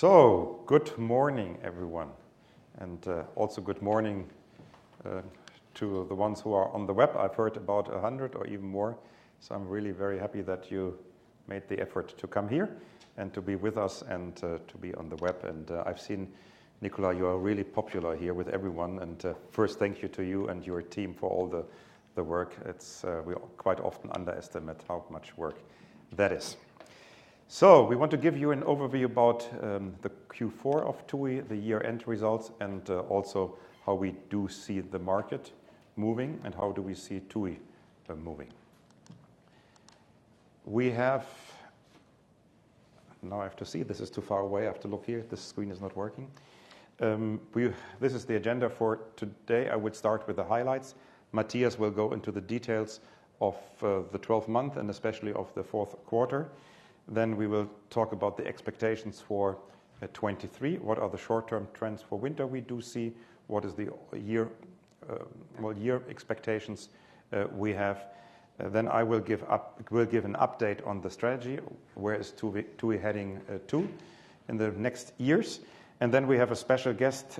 Good morning everyone, and also good morning to the ones who are on the web. I've heard about 100 or even more, so I'm really very happy that you made the effort to come here and to be with us and to be on the web. I've seen, Nicola, you are really popular here with everyone. First thank you to you and your team for all the work. It's, we quite often underestimate how much work that is. We want to give you an overview about the Q4 of TUI, the year-end results, and also how we do see the market moving and how do we see TUI moving. We have. Now I have to see. This is too far away. I have to look here. This screen is not working. This is the agenda for today. I would start with the highlights. Mathias will go into the details of the 12th month and especially of the fourth quarter. We will talk about the expectations for 2023. What are the short-term trends for winter we do see? What is the year, well, year expectations we have? I will give an update on the strategy. Where is TUI heading to in the next years? We have a special guest,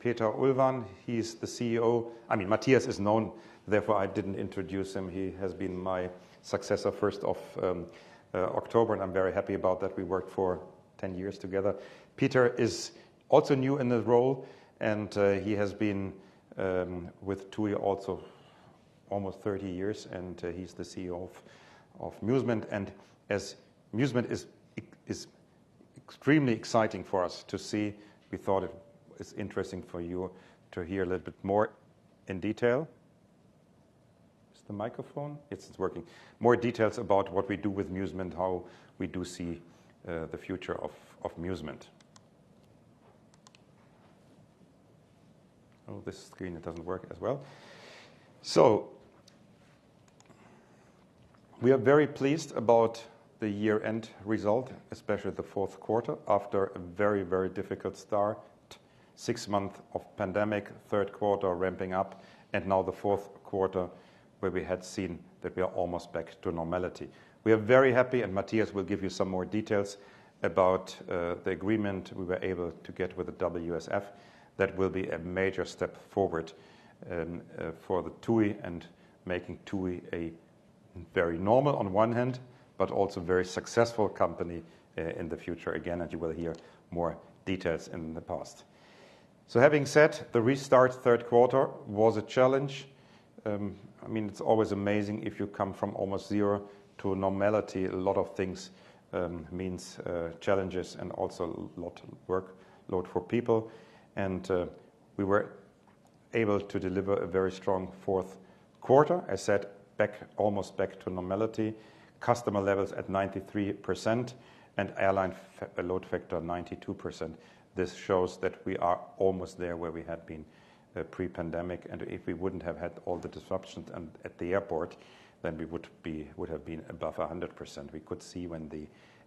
Peter Ulwahn. He's the CEO. I mean, Mathias is known, therefore I didn't introduce him. He has been my successor first of October, and I'm very happy about that. We worked for 10 years together. Peter is also new in the role. He has been with TUI also almost 30 years. He's the CEO of Musement. As Musement is extremely exciting for us to see, we thought it is interesting for you to hear a little bit more in detail. Is the microphone? It's working. More details about what we do with Musement, how we do see the future of Musement. Oh, this screen, it doesn't work as well. We are very pleased about the year-end result, especially the fourth quarter, after a very, very difficult start. six months of pandemic, third quarter ramping up, and now the fourth quarter where we had seen that we are almost back to normality. We are very happy, and Matthias will give you some more details about the agreement we were able to get with the WSF. That will be a major step forward for TUI and making TUI a very normal on one hand, but also very successful company in the future again, and you will hear more details in the past. Having said, the restart third quarter was a challenge. I mean, it's always amazing if you come from almost zero to normality. A lot of things means challenges and also lot workload for people. We were able to deliver a very strong fourth quarter. I said almost back to normality. Customer levels at 93% and airline load factor 92%. This shows that we are almost there where we had been pre-pandemic. If we wouldn't have had all the disruptions at the airport, we would have been above 100%. We could see when the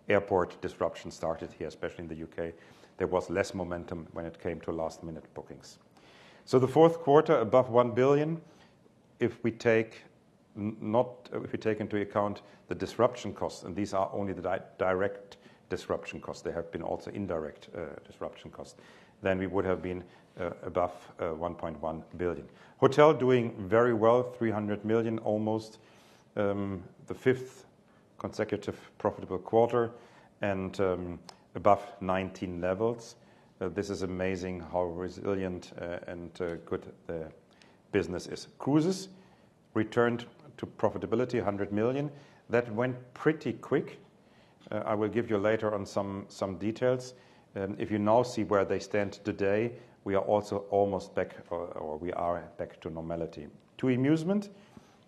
airport disruption started here, especially in the U.K., there was less momentum when it came to last-minute bookings. The Q4 above 1 billion, if we take into account the disruption costs, and these are only the direct disruption costs, there have been also indirect disruption costs, then we would have been above 1.1 billion. Hotel doing very well, 300 million almost. The 5th consecutive profitable quarter and above 19 levels. This is amazing how resilient and good the business is. Cruises returned to profitability, 100 million. That went pretty quick. I will give you later on some details. If you now see where they stand today, we are also almost back to normality. TUI Musement,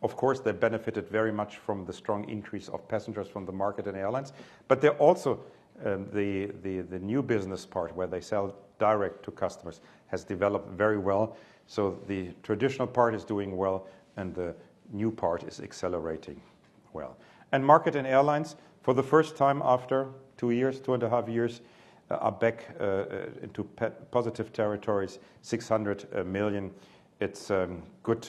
of course, they benefited very much from the strong increase of passengers from the Markets & Airlines. They're also, the new business part where they sell direct to customers has developed very well. The traditional part is doing well and the new part is accelerating well. Markets & Airlines, for the first time after 2 years, 2.5 years, are back into positive territories, 600 million. It's a good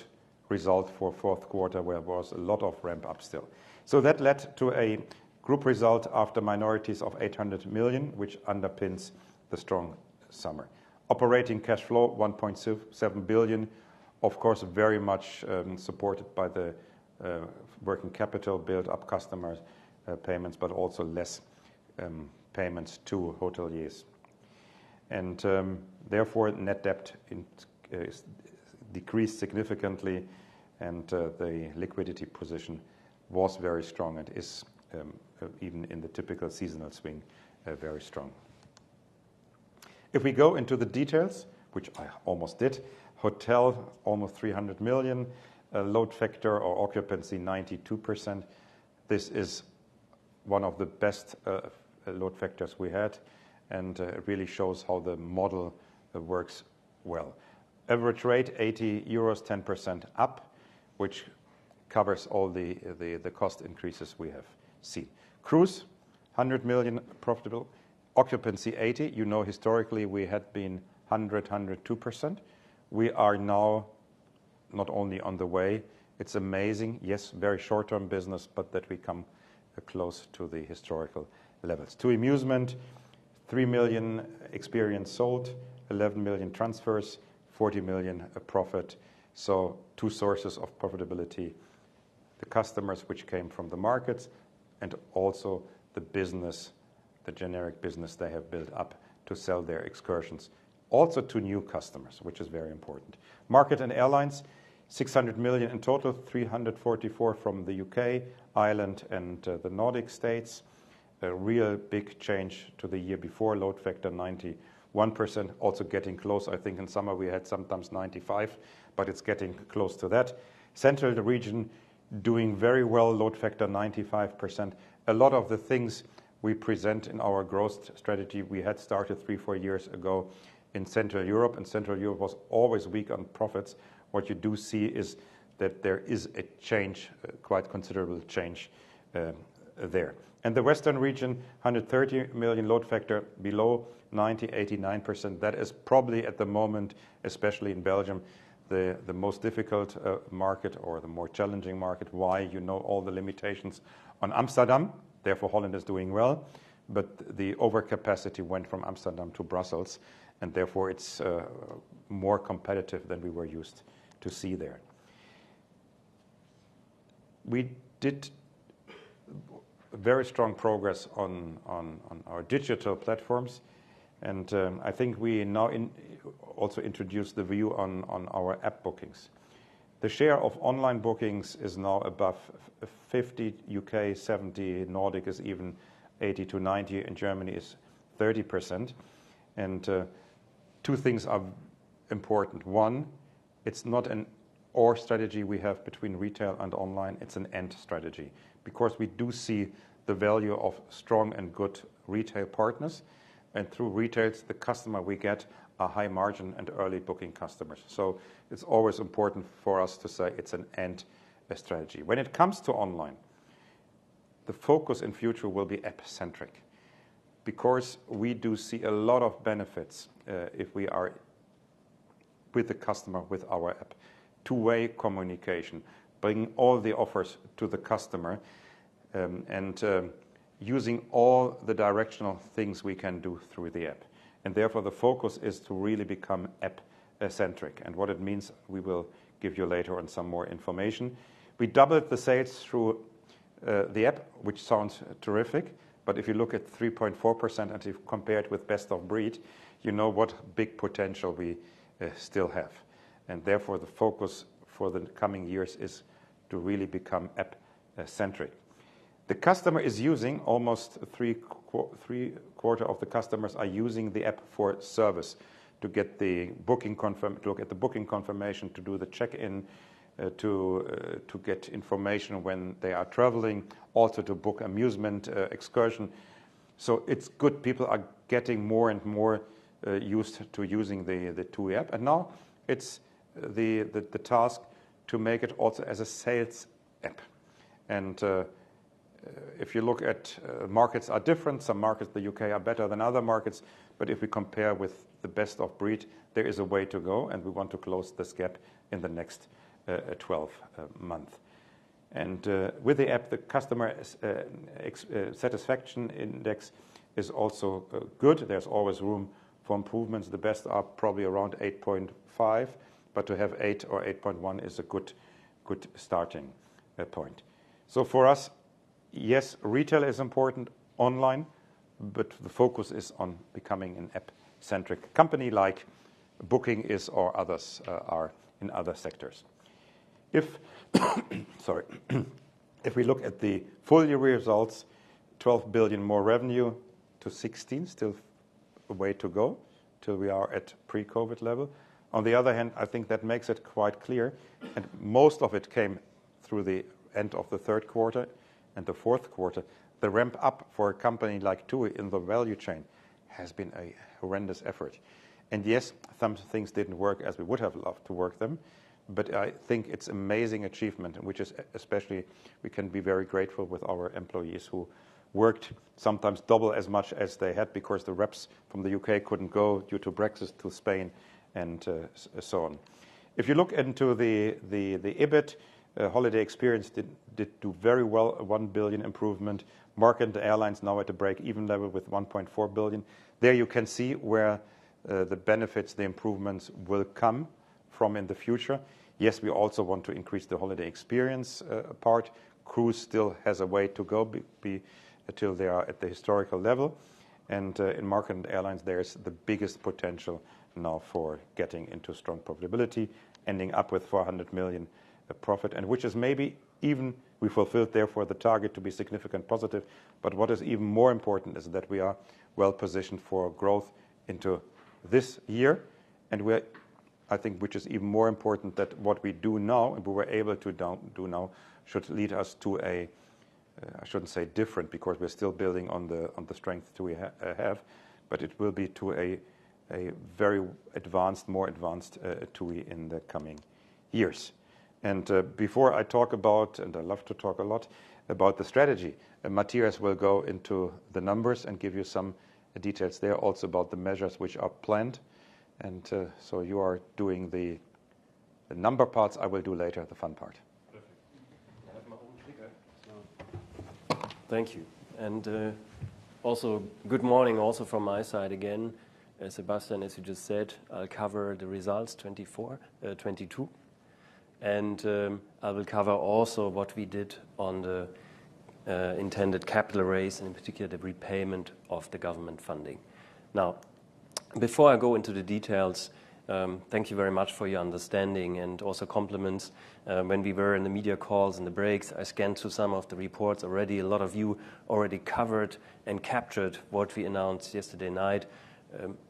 result for fourth quarter, where it was a lot of ramp up still. That led to a group result after minorities of 800 million, which underpins the strong summer. Operating cash flow 1.7 billion, of course, very much supported by the working capital build up customer payments, but also less payments to hoteliers. Therefore, net debt is decreased significantly and the liquidity position was very strong and is even in the typical seasonal swing very strong. If we go into the details, which I almost did, hotel almost 300 million. Load factor or occupancy 92%. This is one of the best load factors we had and really shows how the model works well. Average rate 80 euros, 10% up which covers all the cost increases we have seen. Cruise, 100 million profitable. Occupancy 80%. You know, historically, we had been 102%. We are nowNot only on the way. It's amazing. Very short-term business, but that we come close to the historical levels. TUI Musement, 3 million experience sold, 11 million transfers, 40 million profit. Two sources of profitability. The customers which came from the markets and also the business, the generic business they have built up to sell their excursions also to new customers, which is very important. Markets & Airlines, 600 million in total, 344 million from the U.K., Ireland and the Nordic states. A real big change to the year before. Load factor 91%. Also getting close. I think in summer we had sometimes 95%, but it's getting close to that. Central region doing very well. Load factor 95%. A lot of the things we present in our growth strategy we had started three, four years ago in Central Europe and Central Europe was always weak on profits. What you do see is that there is a change, quite considerable change, there. The Western region, 130 million load factor below 90, 89%. That is probably at the moment, especially in Belgium, the most difficult market or the more challenging market. Why? You know all the limitations on Amsterdam. Therefore Holland is doing well, but the overcapacity went from Amsterdam to Brussels and therefore it's more competitive than we were used to see there. We did very strong progress on our digital platforms, I think we now also introduced the view on our app bookings. The share of online bookings is now above 50, U.K. 70, Nordic is even 80-90, and Germany is 30%. Two things are important. One, it's not an or strategy we have between retail and online. It's an and strategy. Because we do see the value of strong and good retail partners, and through retail, the customer will get a high margin and early08326 Simbe Cynthia -6. It's always important for us to say it's an and strategy. When it comes to online, the focus in future will be app centric. Because we do see a lot of benefits, if we are with the customer, with our app. Two-way communication, bringing all the offers to the customer, and using all the directional things we can do through the app. Therefore the focus is to really become app-centric and what it means we will give you later on some more information. We doubled the sales through the app, which sounds terrific. If you look at 3.4% and if compared with best of breed, you know what big potential we still have. Therefore the focus for the coming years is to really become app-centric. The customer is using almost three quarter of the customers are using the app for service to get the booking confirmation, to do the check-in, to get information when they are traveling, also to book Musement excursion. It's good. People are getting more and more used to using the TUI app. Now it's the task to make it also as a sales app. If you look at markets are different. Some markets, the U.K., are better than other markets. If we compare with the best of breed, there is a way to go and we want to close this gap in the next 12 month. With the app, the customer satisfaction index is also good. There's always room for improvements. The best are probably around 8.5, but to have eight or 8.1 is a good starting point. For us, yes, retail is important online, but the focus is on becoming an app-centric company like Booking.com is or others are in other sectors. Sorry. If we look at the full year results, 12 billion more revenue to 16. Still a way to go till we are at pre-COVID level. On the other hand, I think that makes it quite clear, and most of it came through the end of the third quarter and the fourth quarter. The ramp up for a company like TUI in the value chain has been a horrendous effort. Yes, some things didn't work as we would have loved to work them, but I think it's amazing achievement, which is especially we can be very grateful with our employees who worked sometimes double as much as they had because the reps from the U.K. couldn't go due to Brexit to Spain and so on. EBIT, Holiday Experiences did do very well. 1 billion improvement. Markets & Airlines now at a break-even level with 1.4 billion. There you can see where the benefits, the improvements will come from in the future. Yes, we also want to increase the Holiday Experiences part. Cruise still has a way to go until they are at the historical level. In Markets & Airlines, there is the biggest potential now for getting into strong profitability, ending up with 400 million profit and which is maybe even we fulfilled therefore the target to be significant positive. What is even more important is that we are well positioned for growth into this year and we're, I think, which is even more important that what we do now and we were able to do now should lead us to a, I shouldn't say different because we're still building on the, on the strength TUI have, but it will be to a very advanced, more advanced, TUI in the coming years. Before I talk about, and I love to talk a lot, about the strategy, Matthias will go into the numbers and give you some details there also about the measures which are planned. So you are doing the number parts, I will do later the fun part. Perfect. I have my own clicker, so. Thank you. Good morning also from my side again. As Sebastian, as you just said, I'll cover the results 2022. I will cover also what we did on the intended capital raise, and in particular, the repayment of the government funding. Now, before I go into the details, thank you very much for your understanding and also compliments. When we were in the media calls in the breaks, I scanned through some of the reports already. A lot of you already covered and captured what we announced yesterday night.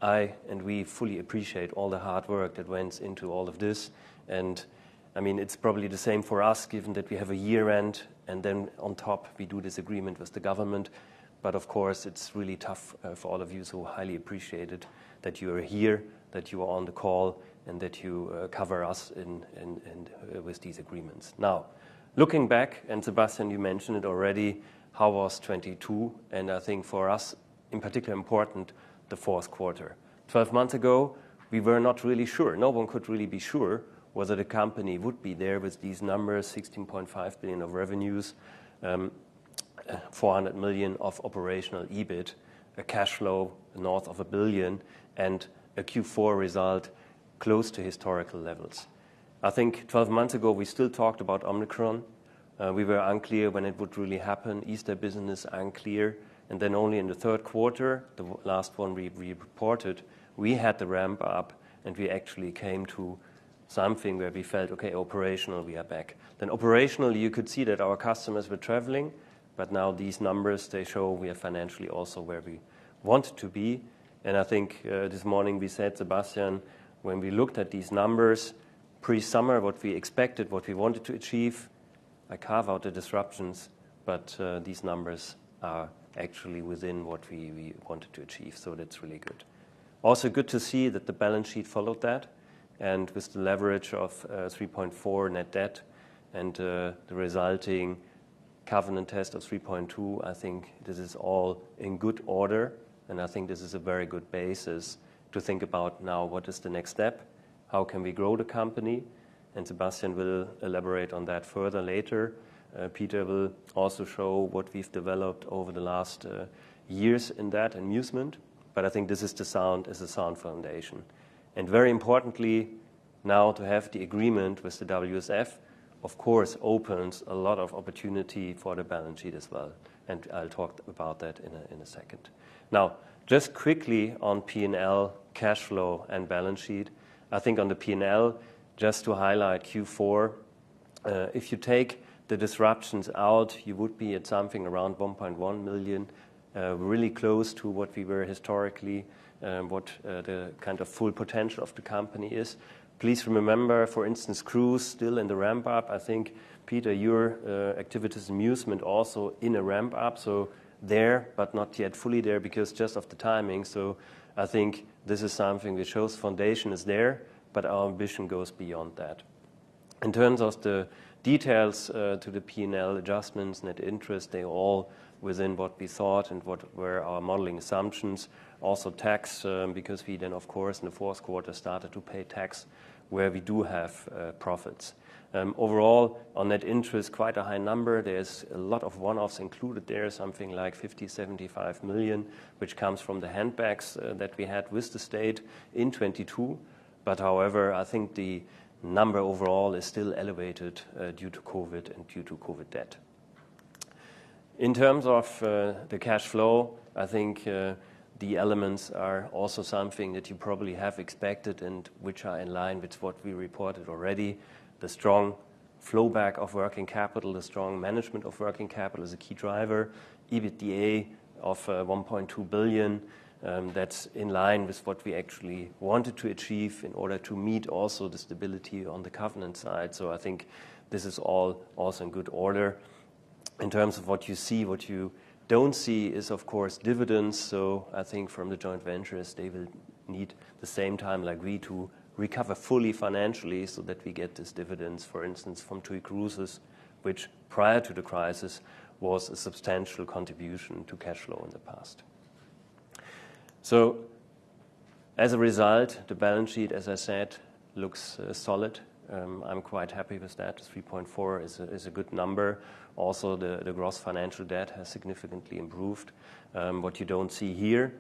I, and we, fully appreciate all the hard work that went into all of this. I mean, it's probably the same for us, given that we have a year-end, and then on top we do this agreement with the government. Of course, it's really tough for all of you, so, highly appreciated that you are here, that you are on the call, and that you cover us in and with these agreements. Now, looking back, and Sebastian, you mentioned it already, how was 2022? I think for us, in particular, important, the Q4. 12 months ago, we were not really sure. No one could really be sure whether the company would be there with these numbers, 16.5 billion of revenues, 400 million of operational EBIT, a cash flow north of 1 billion, and a Q4 result close to historical levels. I think 12 months ago, we still talked about Omicron. We were unclear when it would really happen, Easter business unclear. Then only in the third quarter, the last one we reported, we had the ramp up, and we actually came to something where we felt, okay, operational, we are back. Operational, you could see that our customers were traveling, but now these numbers, they show we are financially also where we wanted to be. I think, this morning we said, Sebastian, when we looked at these numbers pre-summer, what we expected, what we wanted to achieve, like carve out the disruptions, but these numbers are actually within what we wanted to achieve. That's really good. Also good to see that the balance sheet followed that. With the leverage of 3.4 net debt and the resulting covenant test of 3.2, I think this is all in good order, and I think this is a very good basis to think about now what is the next step, how can we grow the company, and Sebastian will elaborate on that further later. Peter will also show what we've developed over the last years in that Musement, but I think this is a sound foundation. Very importantly, now to have the agreement with the WSF, of course, opens a lot of opportunity for the balance sheet as well, and I'll talk about that in a second. Now, just quickly on P&L, cash flow, and balance sheet. I think on the P&L, just to highlight Q4, if you take the disruptions out, you would be at something around 1.1 million, really close to what we were historically, what the kind of full potential of the company is. Please remember, for instance, Cruise still in the ramp-up. I think, Peter, your activities amusement also in a ramp-up. There, but not yet fully there because just of the timing. I think this is something that shows foundation is there, but our ambition goes beyond that. In terms of the details, to the P&L adjustments, net interest, they're all within what we thought and what were our modeling assumptions. Also tax, because we then, of course, in the fourth quarter, started to pay tax where we do have profits. Overall on net interest, quite a high number. There's a lot of one-offs included there, something like 50 million-75 million, which comes from the handbacks that we had with the state in 2022. However, I think the number overall is still elevated due to COVID and due to COVID debt. In terms of the cash flow, I think the elements are also something that you probably have expected and which are in line with what we reported already. The strong flow back of working capital, the strong management of working capital is a key driver. EBITDA of 1.2 billion, that's in line with what we actually wanted to achieve in order to meet also the stability on the covenant side. I think this is all also in good order. In terms of what you see, what you don't see is, of course, dividends. I think from the joint ventures, they will need the same time like we to recover fully financially so that we get these dividends, for instance, from TUI Cruises, which prior to the crisis, was a substantial contribution to cash flow in the past. As a result, the balance sheet, as I said, looks solid. I'm quite happy with that. 3.4 is a good number. Also, the gross financial debt has significantly improved. What you don't see here,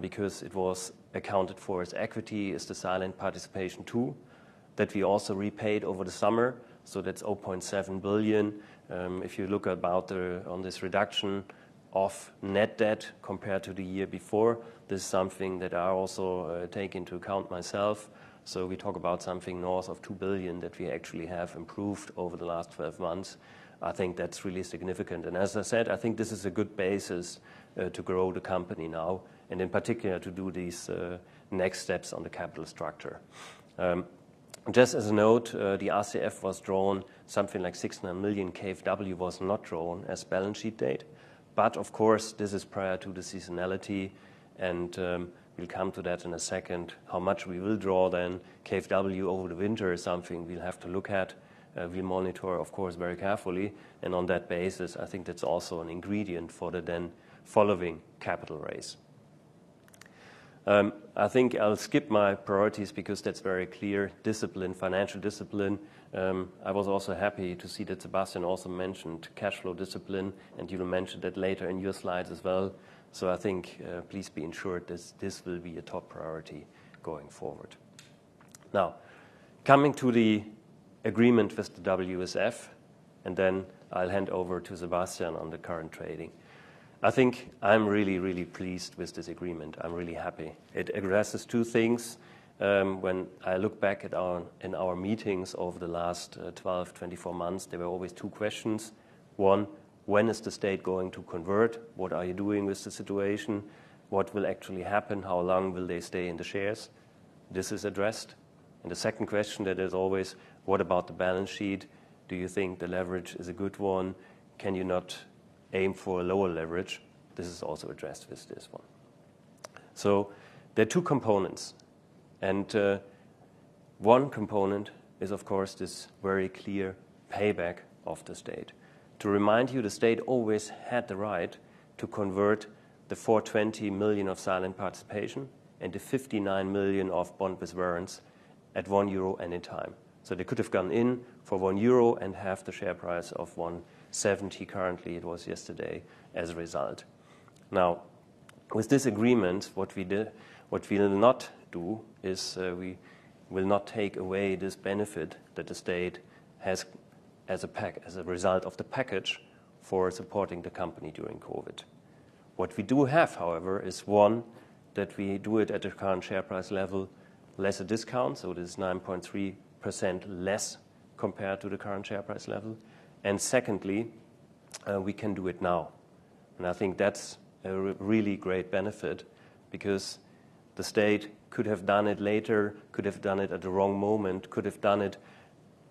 because it was accounted for as equity, is the silent participation tool that we also repaid over the summer. That's 0.7 billion. If you look about the, on this reduction of net debt compared to the year before, this is something that I also take into account myself. We talk about something north of 2 billion that we actually have improved over the last 12 months. I think that's really significant. As I said, I think this is a good basis to grow the company now, and in particular, to do these next steps on the capital structure. Just as a note, the RCF was drawn, something like 6 million KfW was not drawn as balance sheet date. Of course, this is prior to the seasonality, and we'll come to that in a second. How much we will draw then KfW over the winter is something we'll have to look at. We monitor, of course, very carefully. On that basis, I think that's also an ingredient for the then following capital raise. I think I'll skip my priorities because that's very clear. Discipline, financial discipline. I was also happy to see that Sebastian also mentioned cash flow discipline, you mentioned that later in your slides as well. I think, please be ensured this will be a top priority going forward. Coming to the agreement with the WSF, I'll hand over to Sebastian on the current trading. I think I'm really pleased with this agreement. I'm really happy. It addresses two things. When I look back at our meetings over the last 12, 24 months, there were always two questions. One, when is the state going to convert? What are you doing with the situation? What will actually happen? How long will they stay in the shares? This is addressed. The second question that is always, what about the balance sheet? Do you think the leverage is a good one? Can you not aim for a lower leverage? This is also addressed with this one. There are two components, and one component is, of course, this very clear payback of the State. To remind you, the State always had the right to convert the 420 million of Silent Participation and the 59 million of bond with warrants at 1 euro any time. They could have gone in for 1 euro and half the share price of 1.70 currently, it was yesterday, as a result. With this agreement, what we will not do is, we will not take away this benefit that the State has as a result of the package for supporting the company during COVID. What we do have, however, is, one, that we do it at a current share price level, lesser discount, so it is 9.3% less compared to the current share price level. Secondly, we can do it now. I think that's a really great benefit because the state could have done it later, could have done it at the wrong moment, could have done it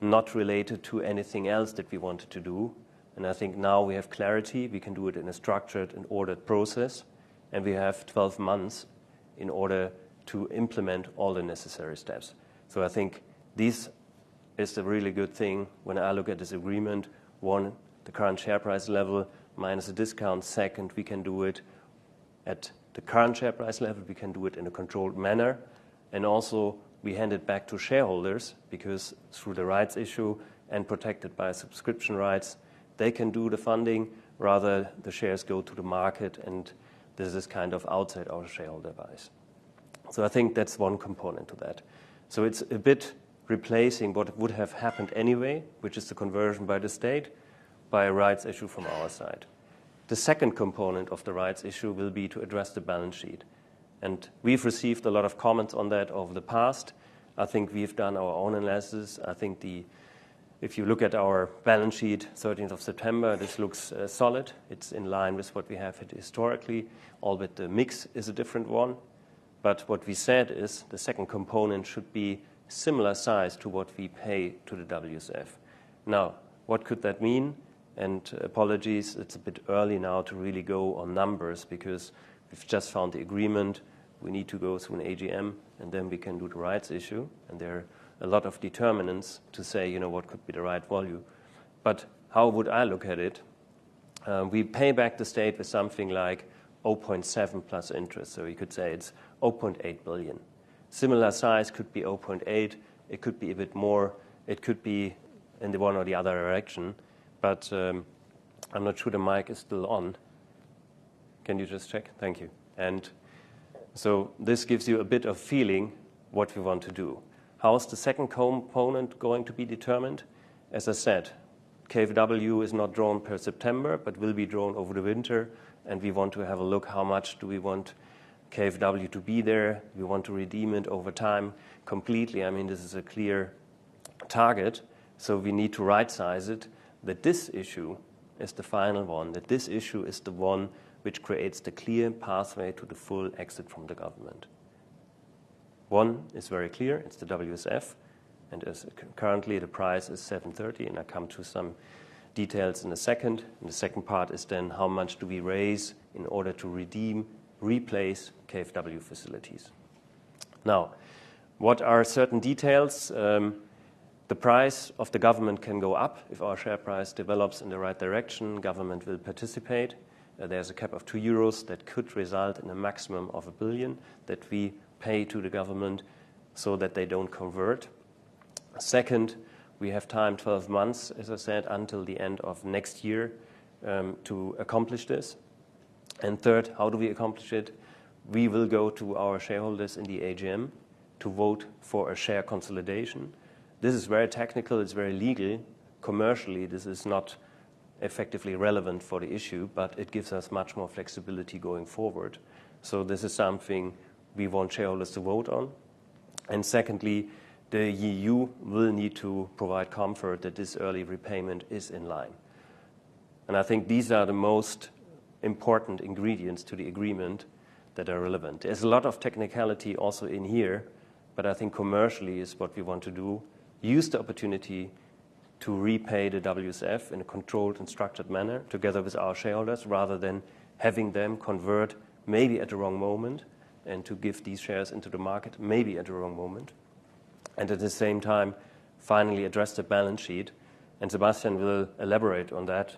not related to anything else that we wanted to do. I think now we have clarity. We can do it in a structured and ordered process, and we have 12 months in order to implement all the necessary steps. I think this is the really good thing when I look at this agreement. One, the current share price level minus the discount. Second, we can do it at the current share price level. We can do it in a controlled manner. Also, we hand it back to shareholders because through the rights issue and protected by subscription rights, they can do the funding. Rather, the shares go to the market, and this is kind of outside our shareholder base. I think that's one component of that. It's a bit replacing what would have happened anyway, which is the conversion by the state, by a rights issue from our side. The second component of the rights issue will be to address the balance sheet. We've received a lot of comments on that over the past. I think we've done our own analysis. If you look at our balance sheet, 13th of September, this looks solid. It's in line with what we have had historically, albeit the mix is a different one. What we said is the second component should be similar size to what we pay to the WSF. What could that mean? Apologies, it's a bit early now to really go on numbers because we've just found the agreement. We need to go through an AGM. Then we can do the rights issue. There are a lot of determinants to say, you know, what could be the right value. How would I look at it? We pay back the state with something like 0.7 plus interest. We could say it's 0.8 billion. Similar size could be 0.8. It could be a bit more. It could be in the one or the other direction. I'm not sure the mic is still on. Can you just check? Thank you. This gives you a bit of feeling what we want to do. How is the second component going to be determined? As I said, KfW is not drawn per September, but will be drawn over the winter, and we want to have a look how much do we want KfW to be there. We want to redeem it over time completely. I mean, this is a clear target, so we need to rightsize it. This issue is the final one, that this issue is the one which creates the clear pathway to the full exit from the government. One is very clear. It's the WSF. As currently, the price is 7.30, and I come to some details in a second. The second part is then how much do we raise in order to redeem, replace KfW facilities. Now, what are certain details? The price of the government can go up. If our share price develops in the right direction, government will participate. There's a cap of 2 euros that could result in a maximum of 1 billion that we pay to the government so that they don't convert. Second, we have time, 12 months, as I said, until the end of next year, to accomplish this. Third, how do we accomplish it? We will go to our shareholders in the AGM to vote for a share consolidation. This is very technical. It's very legal. Commercially, this is not effectively relevant for the issue, but it gives us much more flexibility going forward. This is something we want shareholders to vote on. Secondly, the EU will need to provide comfort that this early repayment is in line. I think these are the most important ingredients to the agreement that are relevant. There's a lot of technicality also in here, but I think commercially is what we want to do. Use the opportunity to repay the WSF in a controlled and structured manner together with our shareholders, rather than having them convert maybe at the wrong moment and to give these shares into the market maybe at the wrong moment, and at the same time finally address the balance sheet. Sebastian will elaborate on that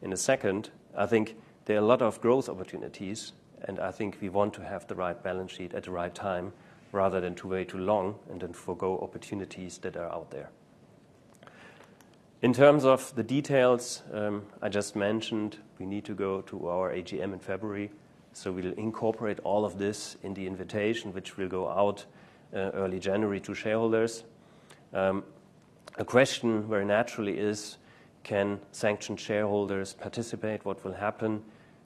in a second. I think there are a lot of growth opportunities, and I think we want to have the right balance sheet at the right time rather than to wait too long and then forego opportunities that are out there. In terms of the details, I just mentioned we need to go to our AGM in February, so we'll incorporate all of this in the invitation, which will go out early January to shareholders. A question very naturally is can sanctioned shareholders participate? What will happen?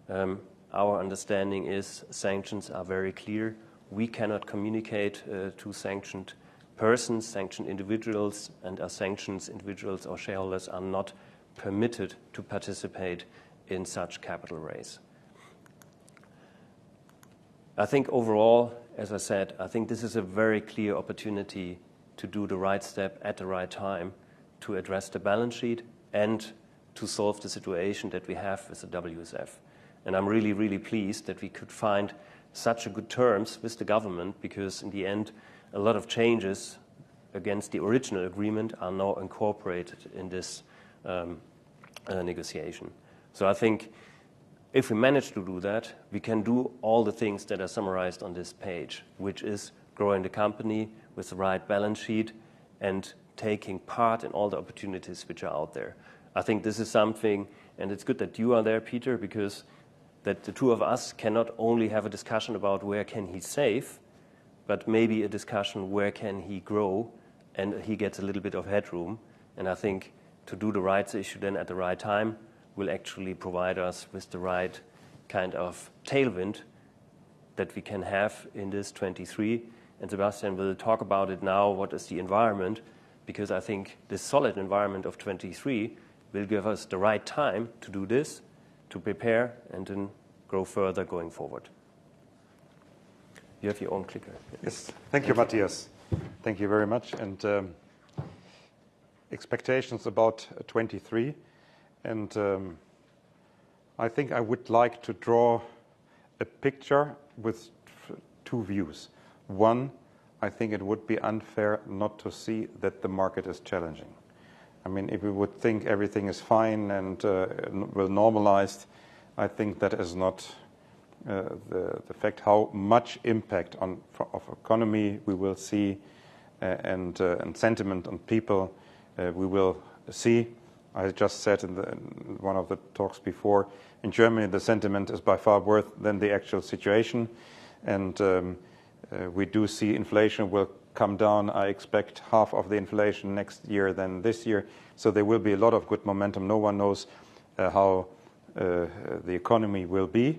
Our understanding is sanctions are very clear. We cannot communicate to sanctioned persons, sanctioned individuals, and our sanctions individuals or shareholders are not permitted to participate in such capital raise. I think overall, as I said, I think this is a very clear opportunity to do the right step at the right time to address the balance sheet and to solve the situation that we have with the WSF. I'm really, really pleased that we could find such good terms with the government because in the end, a lot of changes against the original agreement are now incorporated in this negotiation. I think if we manage to do that, we can do all the things that are summarized on this page, which is growing the company with the right balance sheet and taking part in all the opportunities which are out there. I think this is something, and it's good that you are there, Peter, because that the two of us cannot only have a discussion about where can he save, but maybe a discussion where can he grow and he gets a little bit of headroom. I think to do the rights issue then at the right time will actually provide us with the right kind of tailwind that we can have in this 2023. Sebastian will talk about it now, what is the environment, because I think the solid environment of 2023 will give us the right time to do this, to prepare and then grow further going forward. You have your own clicker. Yes. Thank you, Matthias. Thank you very much. Expectations about 23, I think I would like to draw a picture with two views. One, I think it would be unfair not to see that the market is challenging. I mean, if we would think everything is fine and will normalize, I think that is not the fact how much impact of economy we will see and sentiment on people we will see. I just said in one of the talks before, in Germany, the sentiment is by far worse than the actual situation. We do see inflation will come down. I expect half of the inflation next year than this year. There will be a lot of good momentum. No one knows how the economy will be.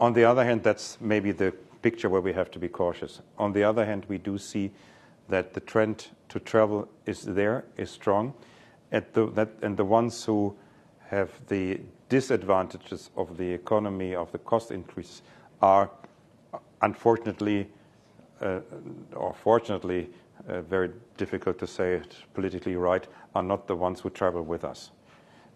On the other hand, that's maybe the picture where we have to be cautious. On the other hand, we do see that the trend to travel is there, is strong. The ones who have the disadvantages of the economy, of the cost increase are unfortunately, or fortunately, very difficult to say it politically right, are not the ones who travel with us.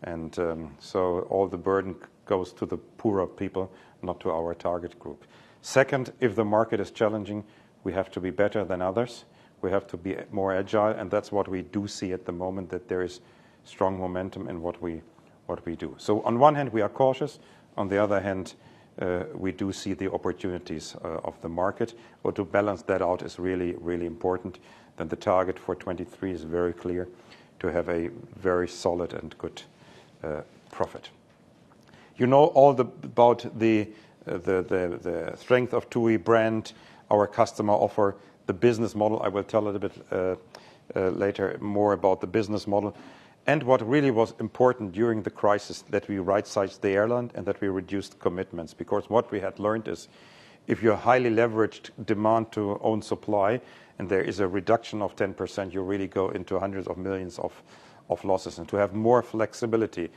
All the burden goes to the poorer people, not to our target group. Second, if the market is challenging, we have to be better than others. We have to be more agile, and that's what we do see at the moment, that there is strong momentum in what we, what we do. On one hand, we are cautious. On the other hand, we do see the opportunities of the market. To balance that out is really, really important. The target for 2023 is very clear to have a very solid and good profit. You know about the strength of TUI brand, our customer offer, the business model. I will tell a little bit later more about the business model and what really was important during the crisis that we right-sized the airline and that we reduced commitments. Because what we had learned is if you highly leveraged demand to own supply and there is a reduction of 10%, you really go into hundreds of millions of losses. To have more flexibility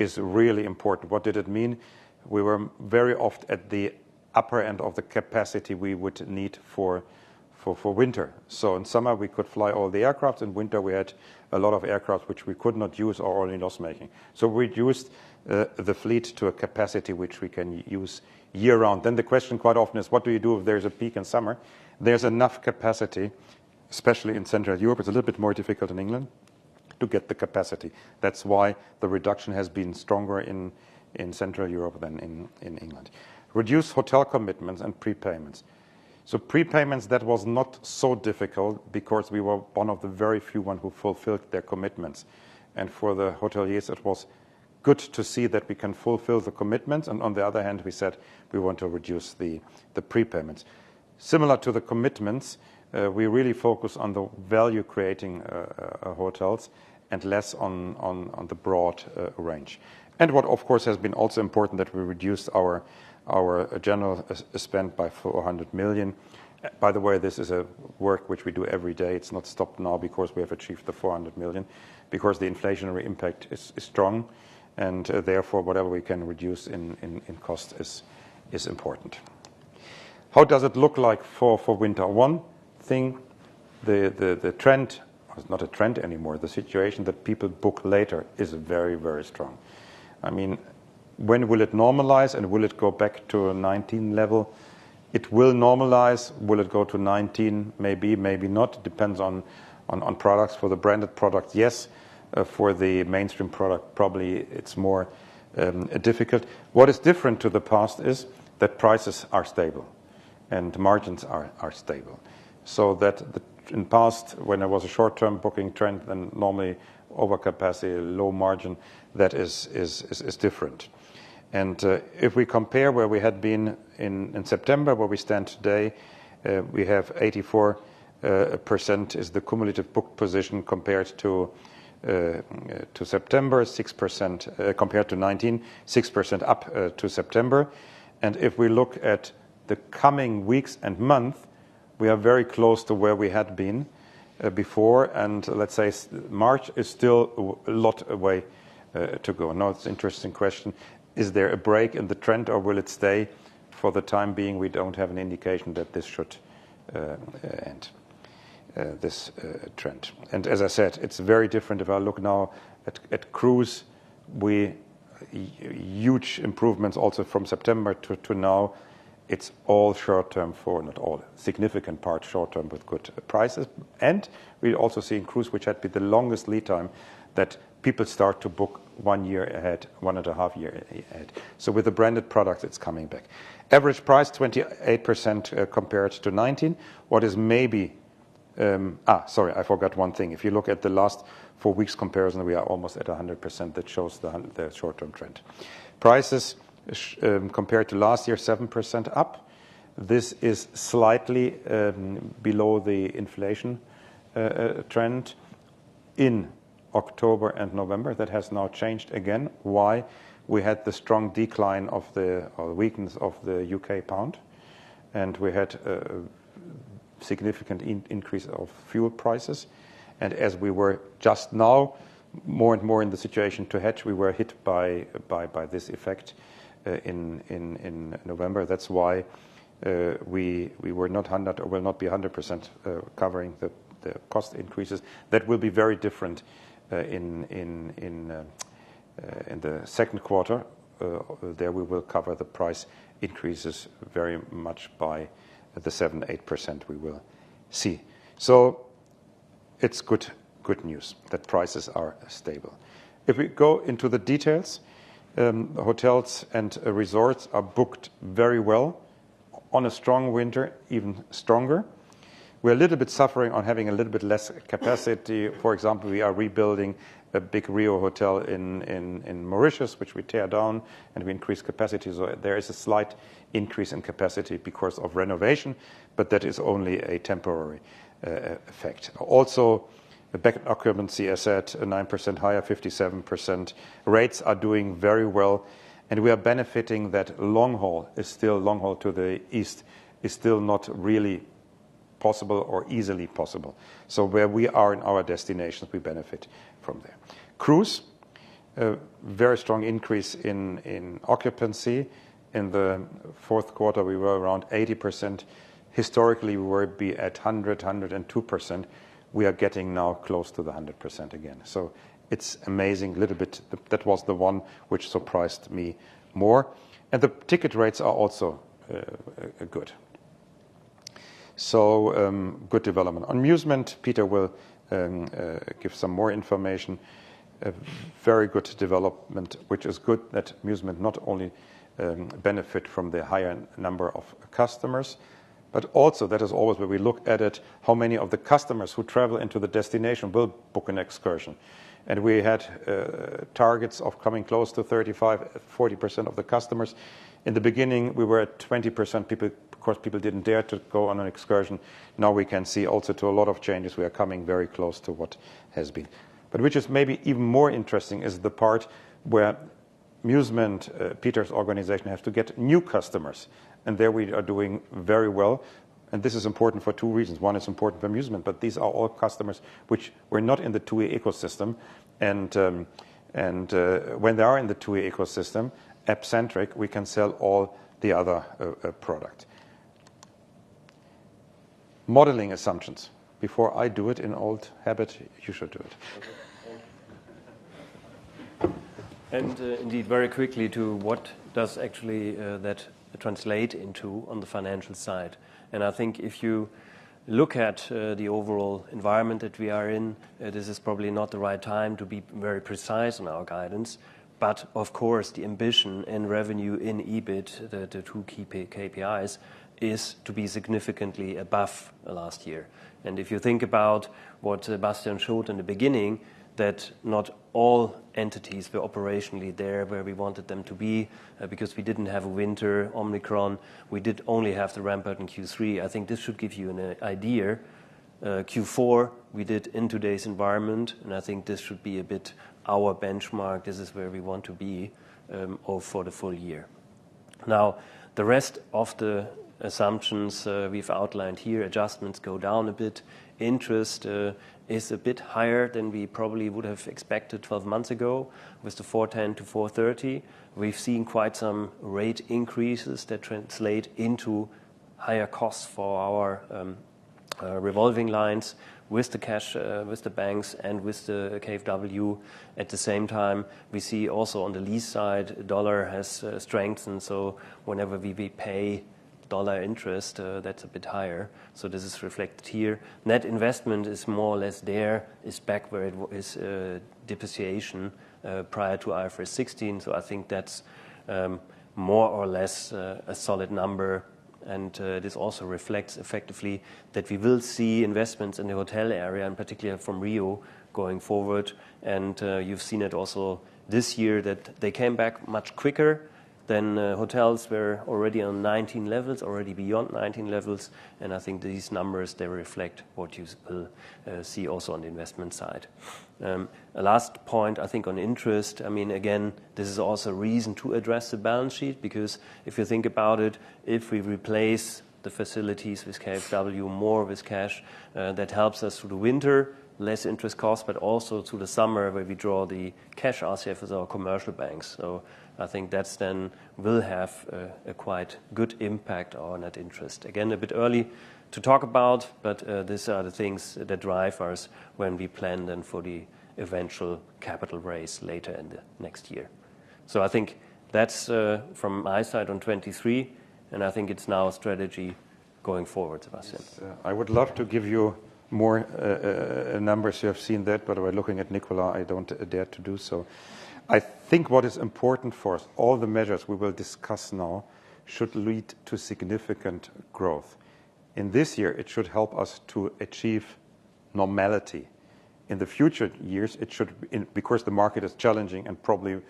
is really important. What did it mean? We were very oft at the upper end of the capacity we would need for winter. In summer, we could fly all the aircrafts. In winter, we had a lot of aircraft which we could not use or only loss-making. Reduced the fleet to a capacity which we can use year-round. The question quite often is, what do you do if there is a peak in summer? There's enough capacity, especially in Central Europe. It's a little bit more difficult in England to get the capacity. That's why the reduction has been stronger in Central Europe than in England. Reduce hotel commitments and prepayments. Prepayments, that was not so difficult because we were one of the very few one who fulfilled their commitments. For the hoteliers, it was good to see that we can fulfill the commitments. On the other hand, we said we want to reduce the prepayments. Similar to the commitments, we really focus on the value creating hotels and less on the broad range. What, of course, has been also important that we reduce our general spend by 400 million. By the way, this is a work which we do every day. It's not stopped now because we have achieved the 400 million. Because the inflationary impact is strong, and therefore, whatever we can reduce in cost is important. How does it look like for winter? One thing, the trend, it's not a trend anymore, the situation that people book later is very, very strong. I mean, when will it normalize, and will it go back to 2019 level? It will normalize. Will it go to 2019? Maybe, maybe not. Depends on products. For the branded product, yes. For the mainstream product, probably it's more difficult. What is different to the past is that prices are stable and margins are stable. In past, when there was a short-term booking trend and normally over capacity, low margin, that is different. If we compare where we had been in September, where we stand today, we have 84% is the cumulative book position compared to September, 6% compared to 2019, 6% up to September. If we look at the coming weeks and month, we are very close to where we had been before. Let's say March is still a lot away to go. It's interesting question, is there a break in the trend or will it stay? For the time being, we don't have an indication that this should end this trend. As I said, it's very different. If I look now at cruise, we. Huge improvements also from September to now. It's all short-term for. Not all, significant part short-term with good prices. We also see in cruise, which had been the longest lead time, that people start to book one year ahead, one and a half year ahead. With the branded product, it's coming back. Average price 28%, compared to 2019. What is maybe. Sorry, I forgot one thing. If you look at the last four weeks comparison, we are almost at 100%. That shows the short-term trend. Prices, compared to last year, 7% up. This is slightly below the inflation trend. In October and November, that has now changed again. Why? We had the strong decline of the, or weakness of the UK pound, we had significant increase of fuel prices. As we were just now more and more in the situation to hedge, we were hit by this effect in November. That's why we were not 100, or will not be 100%, covering the cost increases. That will be very different in the second quarter. There we will cover the price increases very much by the 7%, 8% we will see. It's good news that prices are stable. If we go into the details, hotels and resorts are booked very well. On a strong winter, even stronger. We're a little bit suffering on having a little bit less capacity. For example, we are rebuilding a big RIU hotel in Mauritius, which we tear down, we increase capacity. There is a slight increase in capacity because of renovation, but that is only a temporary effect. The occupancy is at 9% higher, 57%. Rates are doing very well, we are benefiting that long haul to the east is still not really possible or easily possible. Where we are in our destinations, we benefit from there. Cruise, a very strong increase in occupancy. In the fourth quarter, we were around 80%. Historically, we would be at 102%. We are getting now close to the 100% again. It's amazing. Little bit... That was the one which surprised me more. The ticket rates are also good. Good development. Musement, Peter will give some more information. A very good development, which is good that Musement not only benefit from the higher number of customers, but also that is always where we look at it, how many of the customers who travel into the destination will book an excursion. We had targets of coming close to 35%-40% of the customers. In the beginning, we were at 20%. Of course, people didn't dare to go on an excursion. Now we can see also to a lot of changes, we are coming very close to what has been. Which is maybe even more interesting is the part where Musement, Peter's organization has to get new customers, and there we are doing very well. This is important for two reasons. One, it's important for Musement, but these are all customers which were not in the TUI ecosystem. When they are in the TUI ecosystem, app-centric, we can sell all the other product. Modeling assumptions. Before I do it in old habit, you should do it. Indeed, very quickly to what does actually that translate into on the financial side. I think if you look at the overall environment that we are in, this is probably not the right time to be very precise on our guidance. Of course, the ambition and revenue in EBIT, the two key KPIs, is to be significantly above last year. If you think about what Bastian showed in the beginning, that not all entities were operationally there where we wanted them to be, because we didn't have a winter, Omicron. We did only have the ramp-up in Q3. I think this should give you an idea. Q4, we did in today's environment, and I think this should be a bit our benchmark. This is where we want to be, or for the full year. The rest of the assumptions, we've outlined here, adjustments go down a bit. Interest is a bit higher than we probably would have expected 12 months ago, with the 410-430. We've seen quite some rate increases that translate into higher costs for our. Revolving lines with the cash with the banks and with the KfW. At the same time, we see also on the lease side, dollar has strengthened, so whenever we pay dollar interest, that's a bit higher. This is reflected here. Net investment is more or less there. It's back where it's depreciation prior to IFRS 16. I think that's more or less a solid number. This also reflects effectively that we will see investments in the hotel area, and particularly from RIU going forward. You've seen it also this year that they came back much quicker than hotels were already on 2019 levels, already beyond 2019 levels. I think these numbers, they reflect what you see also on the investment side. Last point, I think on interest, I mean, again, this is also a reason to address the balance sheet because if you think about it, if we replace the facilities with KfW more with cash, that helps us through the winter, less interest costs, but also through the summer, where we draw the cash ourselves with our commercial banks. I think that's then will have a quite good impact on net interest. Again, a bit early to talk about, but these are the things that drive us when we plan then for the eventual capital raise later in the next year. I think that's from my side on 2023, and I think it's now strategy going forward, Sebastian. Yes. I would love to give you more numbers. By looking at Nicola, I don't dare to do so. I think what is important for us, all the measures we will discuss now should lead to significant growth. In this year, it should help us to achieve normality. In the future years, it should. Because the market is challenging and probably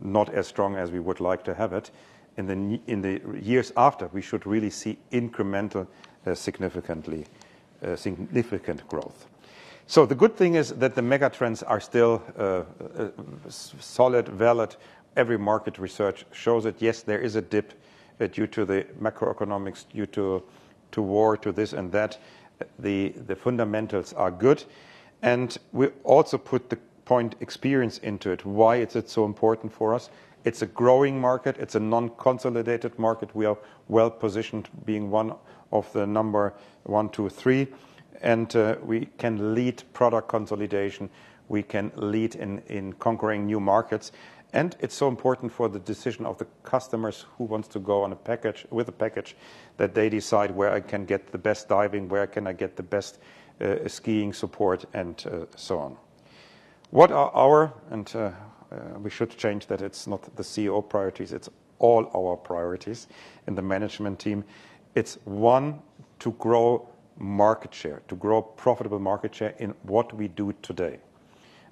not as strong as we would like to have it. In the years after, we should really see incremental, significantly significant growth. The good thing is that the megatrends are still solid, valid. Every market research shows that, yes, there is a dip due to the macroeconomics, due to war, to this and that. The fundamentals are good. We also put the point experience into it. Why is it so important for us? It's a growing market. It's a non-consolidated market. We are well-positioned being one of the number one, two, three, and we can lead product consolidation. We can lead in conquering new markets. It's so important for the decision of the customers who wants to go with a package that they decide where I can get the best diving, where can I get the best skiing support, and so on. What are our... We should change that it's not the CEO priorities, it's all our priorities in the management team. It's one, to grow market share, to grow profitable market share in what we do today.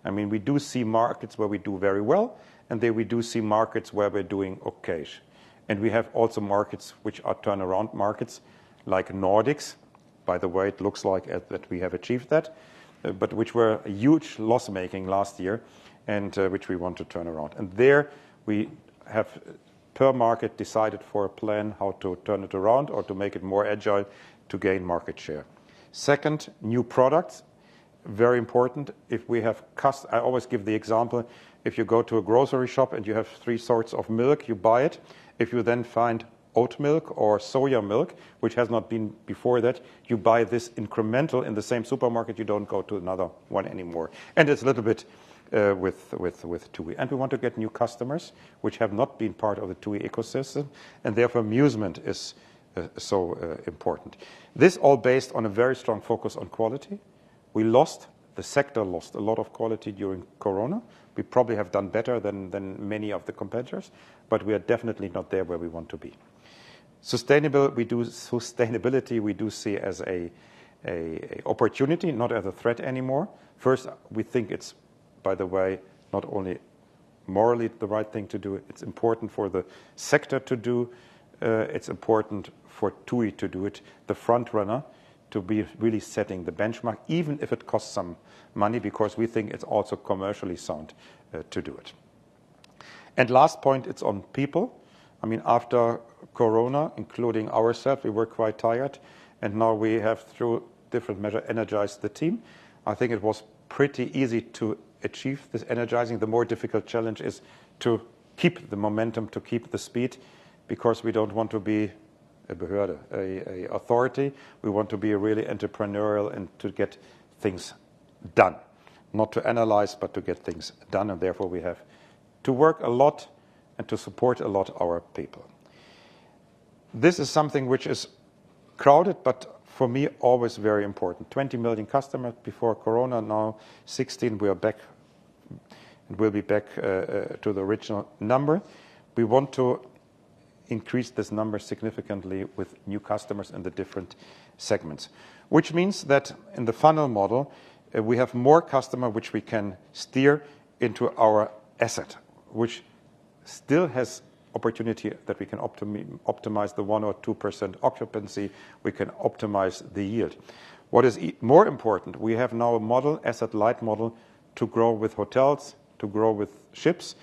I mean, we do see markets where we do very well, and then we do see markets where we're doing okay-ish. We have also markets which are turnaround markets, like Nordics. By the way, it looks like we have achieved that. Which were a huge loss-making last year and which we want to turn around. There we have per market decided for a plan how to turn it around or to make it more agile to gain market share. Second, new products. Very important. If we have I always give the example, if you go to a grocery shop and you have three sorts of milk, you buy it. If you then find oat milk or soya milk, which has not been before that, you buy this incremental in the same supermarket, you don't go to another one anymore. It's a little bit with TUI. We want to get new customers which have not been part of the TUI ecosystem, and therefore Musement is so important. This all based on a very strong focus on quality. We lost, the sector lost a lot of quality during Corona. We probably have done better than many of the competitors, but we are definitely not there where we want to be. Sustainability, we do see as a opportunity, not as a threat anymore. First, we think it's, by the way, not only morally the right thing to do, it's important for the sector to do, it's important for TUI to do it, the front runner, to be really setting the benchmark, even if it costs some money, because we think it's also commercially sound to do it. Last point, it's on people. I mean, after Corona, including ourself, we were quite tired. Now we have, through different measure, energized the team. I think it was pretty easy to achieve this energizing. The more difficult challenge is to keep the momentum, to keep the speed, because we don't want to be a Behörde, a authority. We want to be really entrepreneurial and to get things done. Not to analyze, to get things done. Therefore, we have to work a lot and to support a lot our people. This is something which is crowded, but for me, always very important. 20 million customers before Corona. Now 16, we are back. We'll be back to the original number. We want to increase this number significantly with new customers in the different segments. Which means that in the funnel model, we have more customer which we can steer into our asset, which still has opportunity that we can optimize the 1% or 2% occupancy. We can optimize the yield. What is more important, we have now a model, asset light model, to grow with hotels, to grow with ships.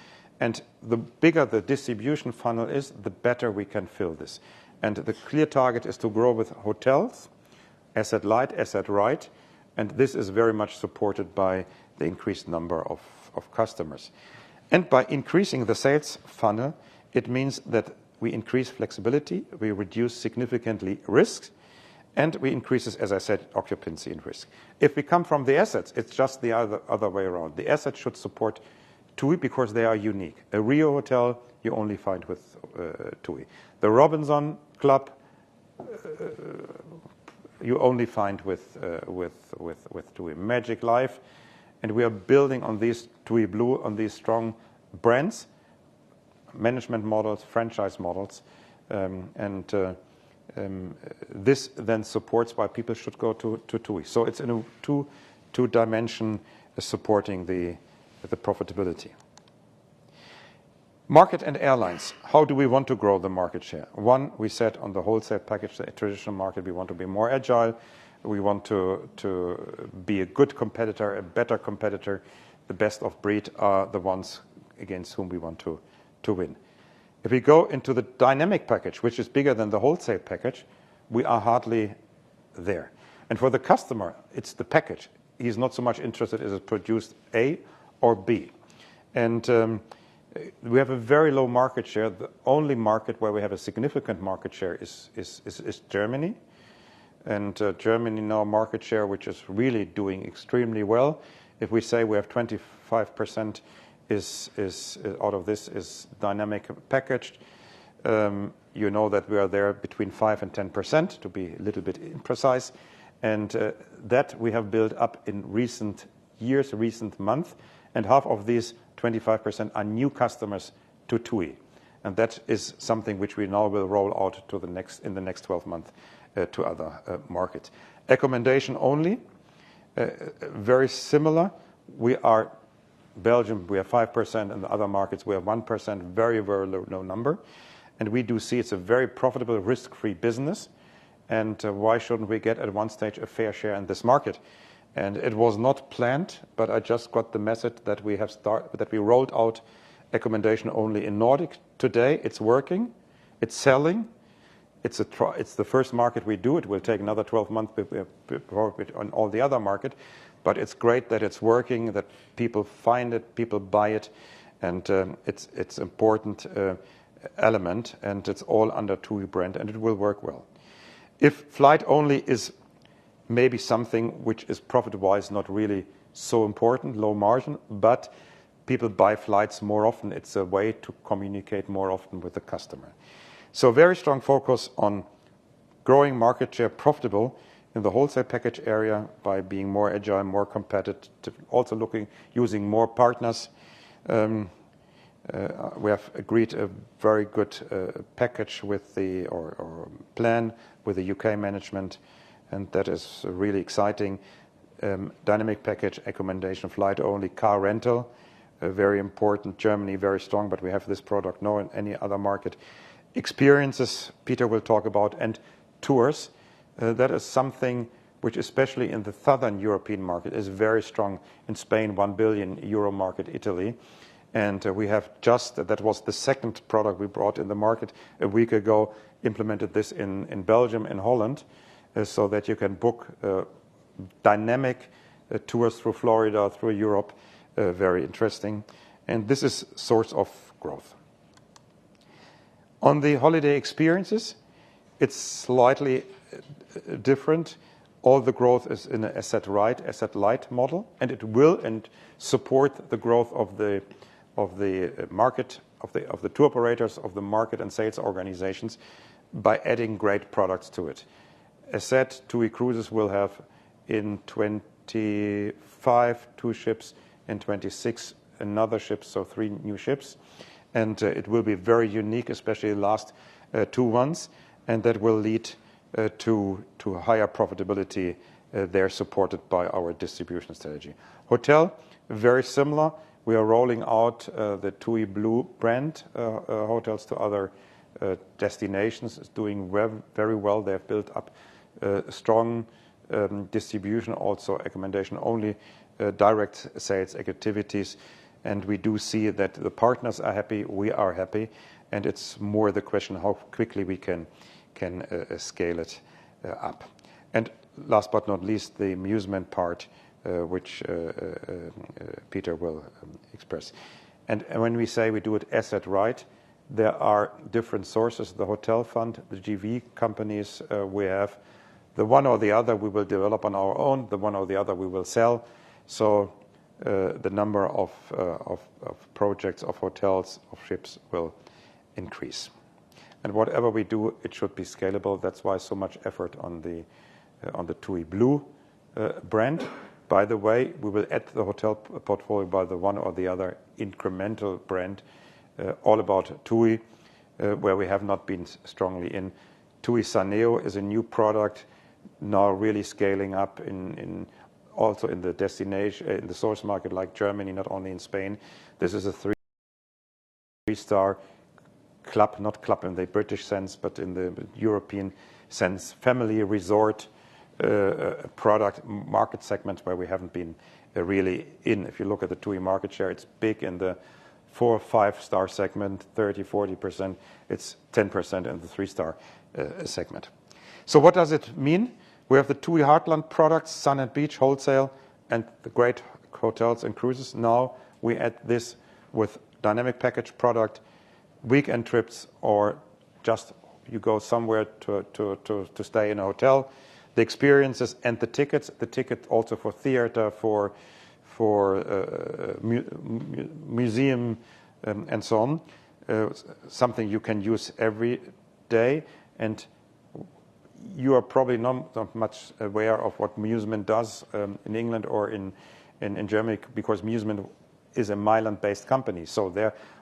The bigger the distribution funnel is, the better we can fill this. The clear target is to grow with hotels, asset light, asset right. This is very much supported by the increased number of customers. By increasing the sales funnel, it means that we increase flexibility, we reduce significantly risks, and we increase, as I said, occupancy and risk. If we come from the assets, it's just the other way around. The assets should support TUI because they are unique. A RIU hotel you only find with TUI. The ROBINSON Club you only find with TUI. Magic Life. We are building on these TUI BLUE, on these strong brands, management models, franchise models, this then supports why people should go to TUI. It's in a two-dimension supporting the profitability. Market and Airlines. How do we want to grow the market share? One, we said on the wholesale package, the traditional market, we want to be more agile. We want to be a good competitor, a better competitor. The best of breed are the ones against whom we want to win. If we go into the dynamic package, which is bigger than the wholesale package, we are hardly there. For the customer, it's the package. He's not so much interested, is it produced A or B? We have a very low market share. The only market where we have a significant market share is Germany. Germany now market share, which is really doing extremely well. If we say we have 25% is out of this is dynamic package, you know that we are there between 5%-10% to be a little bit precise. That we have built up in recent years, recent month. Half of these 25% are new customers to TUI. That is something which we now will roll out in the next 12 months to other markets. Accommodation only, very similar. Belgium, we have 5%, and the other markets, we have 1%. Very, very low number. We do see it's a very profitable risk-free business. Why shouldn't we get at one stage a fair share in this market? It was not planned, but I just got the message that we rolled out accommodation only in Nordic today. It's working. It's selling. It's the first market we do it. We'll take another 12 months before we have... on all the other market. It's great that it's working, that people find it, people buy it, and it's important element. It's all under TUI brand, and it will work well. If flight only is maybe something which is profit-wise not really so important, low margin, but people buy flights more often. It's a way to communicate more often with the customer. Very strong focus on growing market share profitable in the wholesale package area by being more agile, more competitive. Also using more partners. We have agreed a very good package with the plan with the U.K. management, and that is really exciting. Dynamic package accommodation, flight only, car rental, very important. Germany, very strong, but we have this product now in any other market. Experiences Peter will talk about. Tours, that is something which, especially in the Southern European market, is very strong. In Spain, 1 billion euro market, Italy. We have just. That was the 2nd product we brought in the market a week ago, implemented this in Belgium and Holland, so that you can book dynamic tours through Florida, through Europe. Very interesting. This is source of growth. On the Holiday Experiences, it's slightly different. All the growth is in asset right, asset light model, it will and support the growth of the market, of the tour operators, of the market and sales organizations by adding great products to it. Asset TUI Cruises will have in 25, two ships, in 26, another ship, so three new ships. It will be very unique, especially the last two ones, and that will lead to higher profitability. They're supported by our distribution strategy. Hotel, very similar. We are rolling out the TUI BLUE brand hotels to other destinations. It's doing very well. They have built up a strong distribution, also accommodation only, direct sales activities. We do see that the partners are happy, we are happy, and it's more the question how quickly we can scale it up. Last but not least, the Musement part, which Peter will express. When we say we do it asset right, there are different sources. The hotel fund, the JV companies we have. The one or the other we will develop on our own, the one or the other we will sell. The number of projects, of hotels, of ships will increase. Whatever we do, it should be scalable. That's why so much effort on the TUI BLUE brand. By the way, we will add the hotel portfolio by the one or the other incremental brand all about TUI where we have not been strongly in. TUI SUNEO is a new product now really scaling up in also in the source market like Germany, not only in Spain. This is a three-star club. Not club in the British sense, but in the European sense. Family resort, product market segment where we haven't been really in. If you look at the TUI market share, it's big in the four or five-star segment, 30%, 40%. It's 10% in the three-star segment. What does it mean? We have the TUI Heartland products, Sun and Beach wholesale, and the great hotels and cruises. Now we add this with dynamic package product, weekend trips, or just you go somewhere to stay in a hotel. The experiences and the tickets, the ticket also for theater, for museum, and so on, something you can use every day. You are probably not much aware of what Musement does in England or in Germany because Musement is a Milan-based company.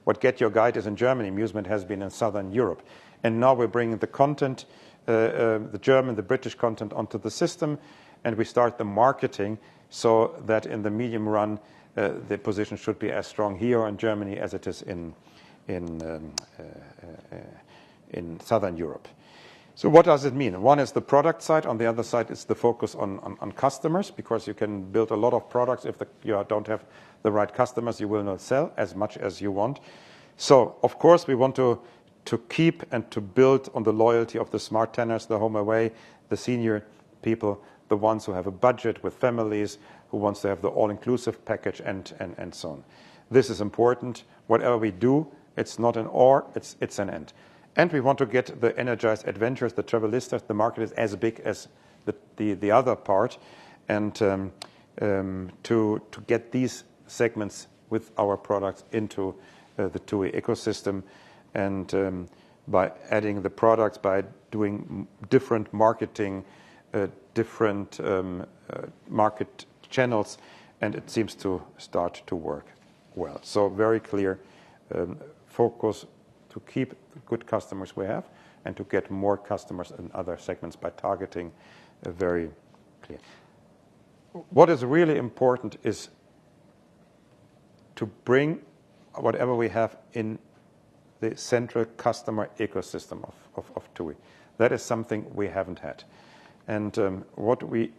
What GetYourGuide is in Germany, Musement has been in Southern Europe. Now we're bringing the content, the German, the British content onto the system, and we start the marketing so that in the medium run, the position should be as strong here in Germany as it is in Southern Europe. What does it mean? One is the product side. On the other side is the focus on customers because you can build a lot of products. If you don't have the right customers, you will not sell as much as you want. Of course, we want to keep and to build on the loyalty of the smart tenners, the home away, the senior people, the ones who have a budget with families, who wants to have the all-inclusive package and so on. This is important. Whatever we do, it's not an or, it's an and. We want to get the energized adventurers, the travelistas. The market is as big as the other part and to get these segments with our products into the TUI ecosystem and by adding the products, by doing different marketing, different market channels, and it seems to start to work well. Very clear, focus to keep good customers we have and to get more customers in other segments by targeting very clear. What is really important is to bring whatever we have in the central customer ecosystem of TUI. That is something we haven't had. What we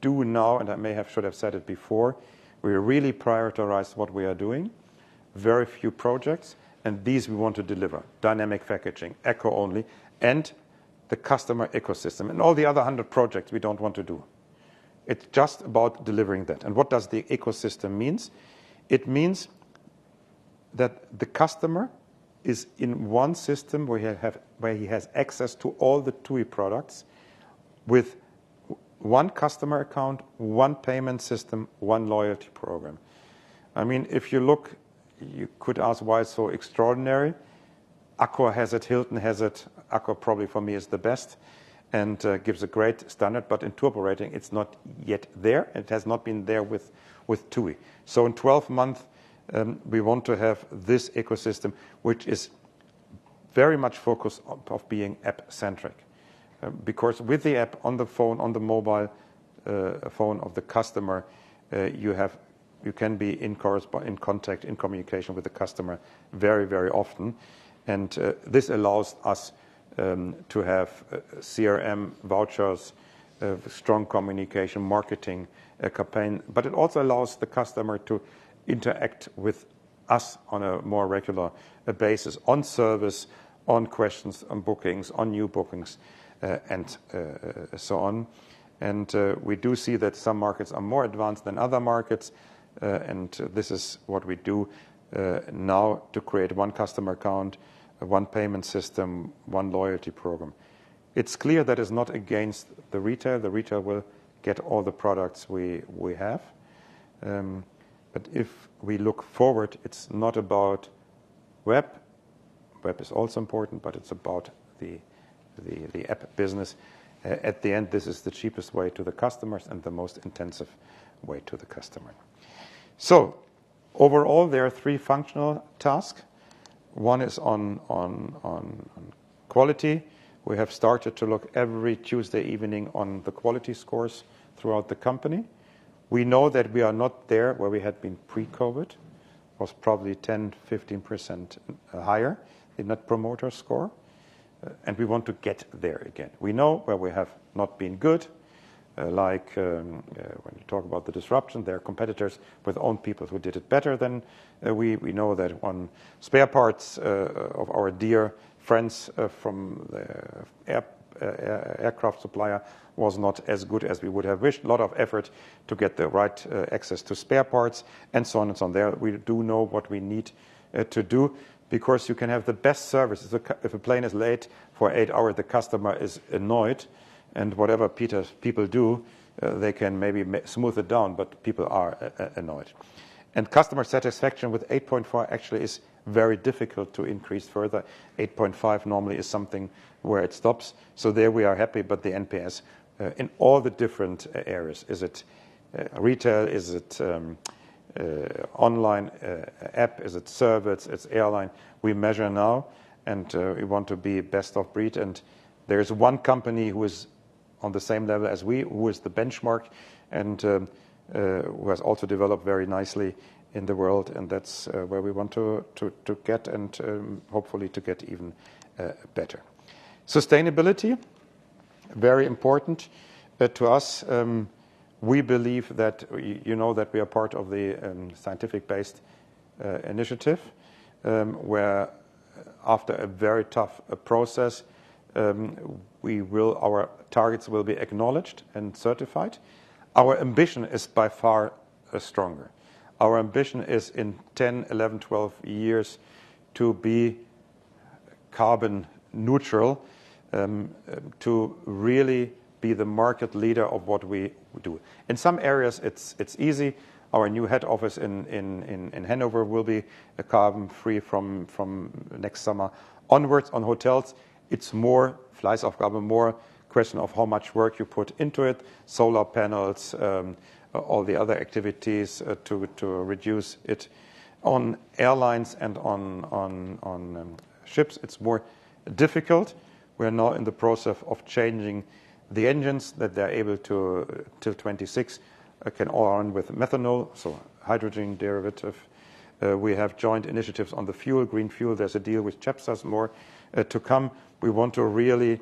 do now, and I should have said it before, we really prioritize what we are doing. Very few projects, and these we want to deliver. Dynamic packaging, echo only, and the customer ecosystem. All the other 100 projects we don't want to do. It's just about delivering that. What does the ecosystem means? It means that the customer is in one system where he has access to all the TUI products with one customer account, one payment system, one loyalty program. I mean, if you look, you could ask why it's so extraordinary. Aqua has it, Hilton has it. Aqua probably for me is the best and gives a great standard, but in tour operating, it's not yet there. It has not been there with TUI. In 12 month, we want to have this ecosystem which is very much focused of being app-centric. Because with the app on the phone, on the mobile phone of the customer, you can be in contact, in communication with the customer very often. This allows us to have CRM vouchers, strong communication, marketing, a campaign. It also allows the customer to interact with us on a more regular basis on service, on questions, on bookings, on new bookings, and so on. We do see that some markets are more advanced than other markets, this is what we do now to create 1 customer account, one payment system, 1 loyalty program. It's clear that it's not against the retail. The retail will get all the products we have. If we look forward, it's not about web. Web is also important, but it's about the app business. At the end, this is the cheapest way to the customers and the most intensive way to the customer. Overall, there are 3 functional tasks. 1 is on quality. We have started to look every Tuesday evening on the quality scores throughout the company. We know that we are not there where we had been pre-COVID. It was probably 10%-15% higher in that promoter score. We want to get there again. We know where we have not been good. When you talk about the disruption, there are competitors with own people who did it better than we. We know that on spare parts of our dear friends from the app aircraft supplier was not as good as we would have wished. A lot of effort to get the right access to spare parts, and so on and so on. There we do know what we need to do because you can have the best services. If a plane is late for eight hours, the customer is annoyed. Whatever people do, they can maybe smooth it down. People are annoyed. Customer satisfaction with 8.4 actually is very difficult to increase further. 8.5 normally is something where it stops. There we are happy, but the NPS, in all the different areas, is it retail? Is it online, app? Is it service? It's airline. We measure now, and we want to be best of breed. There is one company who is on the same level as we, who is the benchmark and who has also developed very nicely in the world, and that's where we want to get and hopefully to get even better. Sustainability, very important. To us, We believe that, you know that we are part of the Science Based Targets initiative, where after a very tough process, our targets will be acknowledged and certified. Our ambition is by far stronger. Our ambition is in 10, 11, 12 years to be carbon neutral, to really be the market leader of what we do. In some areas, it's easy. Our new head office in Hanover will be carbon-free from next summer onwards. On hotels, it's more flies of carbon, more question of how much work you put into it, solar panels, all the other activities to reduce it. On airlines and on ships, it's more difficult. We're now in the process of changing the engines that they're able to, till 26, can run with methanol, so hydrogen derivative. We have joint initiatives on the fuel, green fuel. There's a deal with Cepsa more to come. We want to really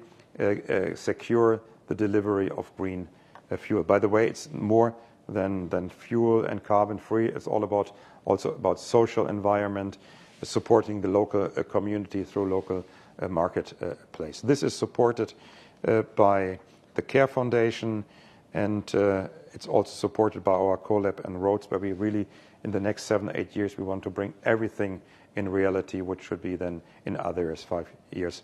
secure the delivery of green fuel. By the way, it's more than fuel and carbon-free. It's also about social environment, supporting the local community through local marketplace. This is supported by the Care Foundation, and it's also supported by our CoLab and Roads, where we really, in the next seven, eight years, we want to bring everything in reality, which should be then in others five years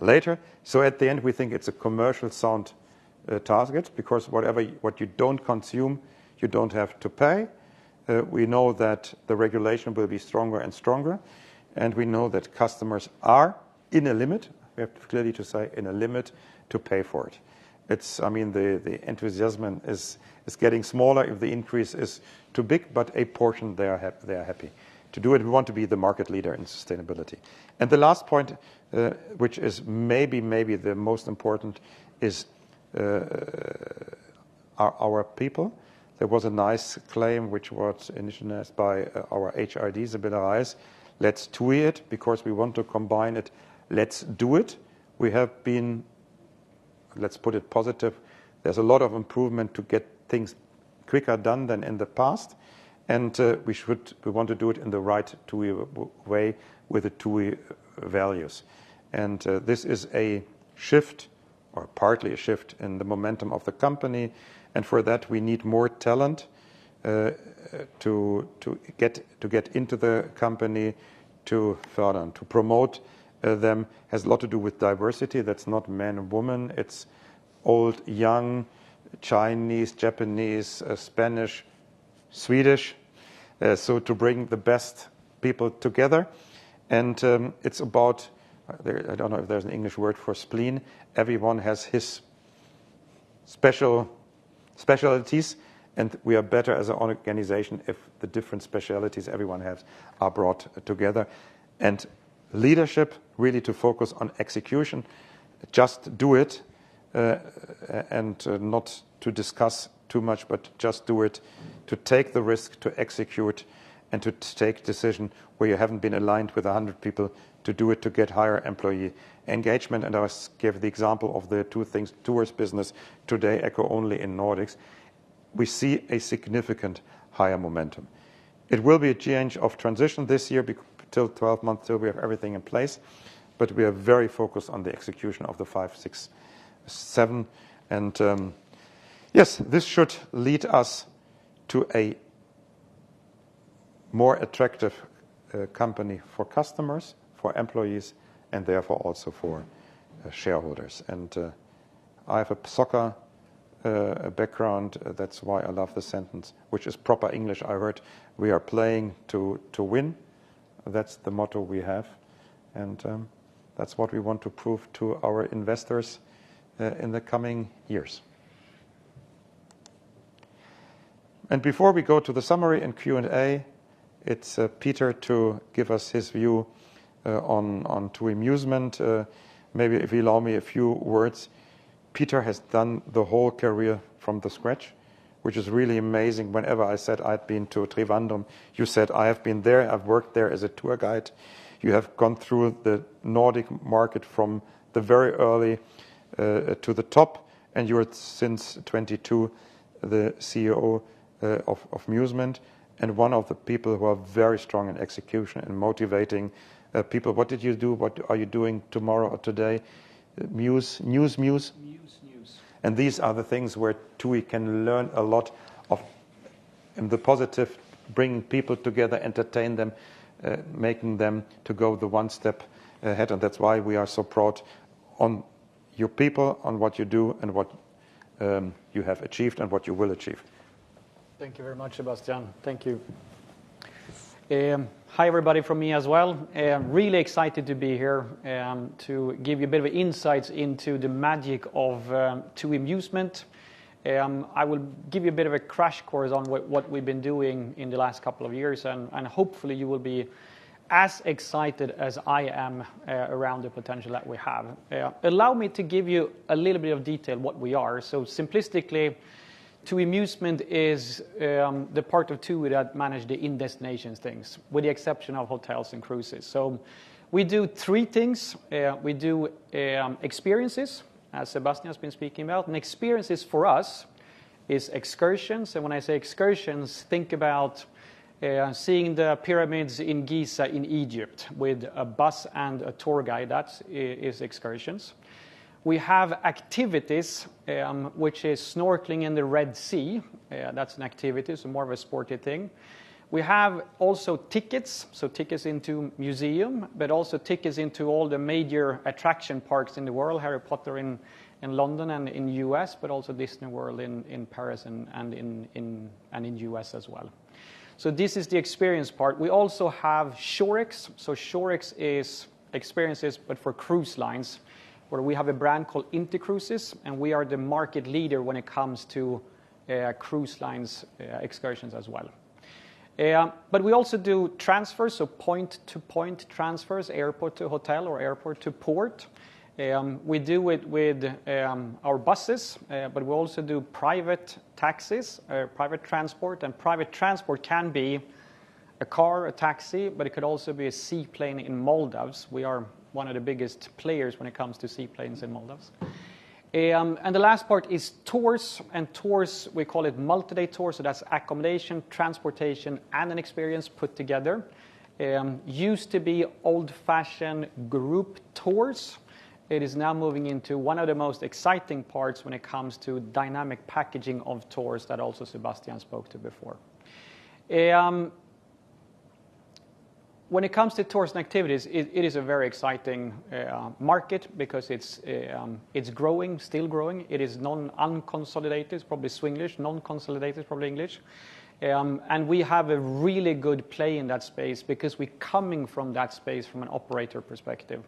later. At the end, we think it's a commercial sound target because what you don't consume, you don't have to pay. We know that the regulation will be stronger and stronger, and we know that customers are in a limit, we have clearly to say in a limit, to pay for it. I mean, the enthusiasm is getting smaller if the increase is too big, but a portion they are happy. To do it, we want to be the market leader in sustainability. The last point, which is maybe the most important is our people. There was a nice claim which was initiated by our HRD, Sybille Reiss. Let's TUI it because we want to combine it. Let's do it. Let's put it positive. There's a lot of improvement to get things quicker done than in the past, and we want to do it in the right TUI way with the TUI values. This is a shift or partly a shift in the momentum of the company, and for that, we need more talent to get into the company to promote them. Has a lot to do with diversity. That's not man and woman. It's old, young, Chinese, Japanese, Spanish, Swedish. To bring the best people together. It's about I don't know if there's an English word for spleen. Everyone has his special specialties, and we are better as an organization if the different specialties everyone has are brought together. Leadership, really to focus on execution. Just do it, and not to discuss too much, but just do it. To take the risk, to execute, and to take decision where you haven't been aligned with 100 people to do it, to get higher employee engagement. I give the example of the two things, tours business today echo only in Nordics. We see a significant higher momentum. It will be a change of transition this year till 12 months till we have everything in place, but we are very focused on the execution of the five, six, seven. Yes, this should lead us to a more attractive company for customers, for employees, and therefore also for shareholders. I have a soccer background. That's why I love the sentence, which is proper English I heard, "We are playing to win." That's the motto we have. That's what we want to prove to our investors in the coming years. Before we go to the summary and Q&A, it's Peter to give us his view on TUI Musement. Maybe if you allow me a few words. Peter has done the whole career from the scratch, which is really amazing. Whenever I said I'd been to Trivandrum, you said, "I have been there. I've worked there as a tour guide." You have gone through the Nordic market from the very early to the top, and you're since 22, the CEO of Musement, and one of the people who are very strong in execution and motivating people. What did you do? What are you doing tomorrow or today? Muse, news muse? Muse news. These are the things where TUI can learn a lot of, in the positive, bring people together, entertain them, making them to go the one step ahead. That's why we are so proud on you people, on what you do, and what you have achieved and what you will achieve. Thank you very much, Sebastian. Thank you. Hi everybody from me as well. Really excited to be here to give you a bit of insights into the magic of TUI Musement. I will give you a bit of a crash course on what we've been doing in the last couple of years, and hopefully you will be as excited as I am around the potential that we have. Allow me to give you a little bit of detail what we are. Simplistically, TUI Musement is the part of TUI that manage the in-destinations things, with the exception of hotels and cruises. We do three things. We do experiences, as Sebastian has been speaking about, and experiences for us is excursions. When I say excursions, think about seeing the pyramids in Giza in Egypt with a bus and a tour guide. That is excursions. We have activities, which is snorkeling in the Red Sea. That's an activity, it's more of a sporty thing. We have also tickets, so tickets into museum, but also tickets into all the major attraction parks in the world, Harry Potter in London and in US, but also Disney World in Paris and in U.S. as well. This is the experience part. We also have Shore Ex. Shore Ex is experiences, but for cruise lines, where we have a brand called Intercruises, and we are the market leader when it comes to cruise lines, excursions as well. We also do transfers, so point-to-point transfers, airport to hotel or airport to port. We do it with our buses, but we also do private taxis, private transport. Private transport can be a car, a taxi, but it could also be a seaplane in Maldives. We are one of the biggest players when it comes to seaplanes in Maldives. The last part is tours. Tours, we call it multi-day tours, so that's accommodation, transportation, and an experience put together. Used to be old-fashioned group tours. It is now moving into one of the most exciting parts when it comes to dynamic packaging of tours that also Sebastian spoke to before. When it comes to tours and activities, it is a very exciting market because it's growing, still growing. It is unconsolidated, it's probably Swenglish, non-consolidated, probably English. We have a really good play in that space because we're coming from that space from an operator perspective.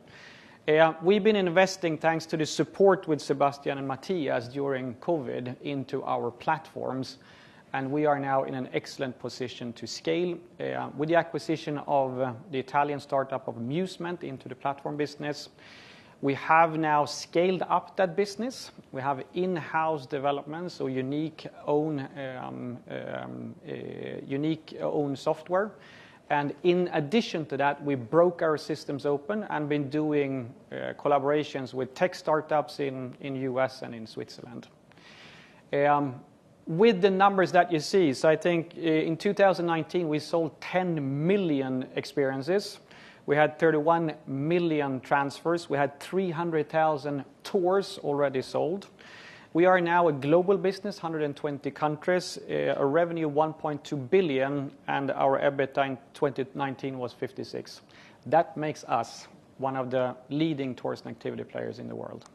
We've been investing, thanks to the support with Sebastian and Matthias during COVID, into our platforms, we are now in an excellent position to scale. With the acquisition of the Italian startup of Musement into the platform business, we have now scaled up that business. We have in-house development, so unique own software. In addition to that, we broke our systems open and been doing collaborations with tech startups in U.S. and in Switzerland. With the numbers that you see, I think in 2019, we sold 10 million experiences. We had 31 million transfers. We had 300,000 tours already sold. We are now a global business, 120 countries, a revenue of 1.2 billion, and our EBITDA in 2019 was 56 million. That makes us one of the leading Tours & Activities players in the world.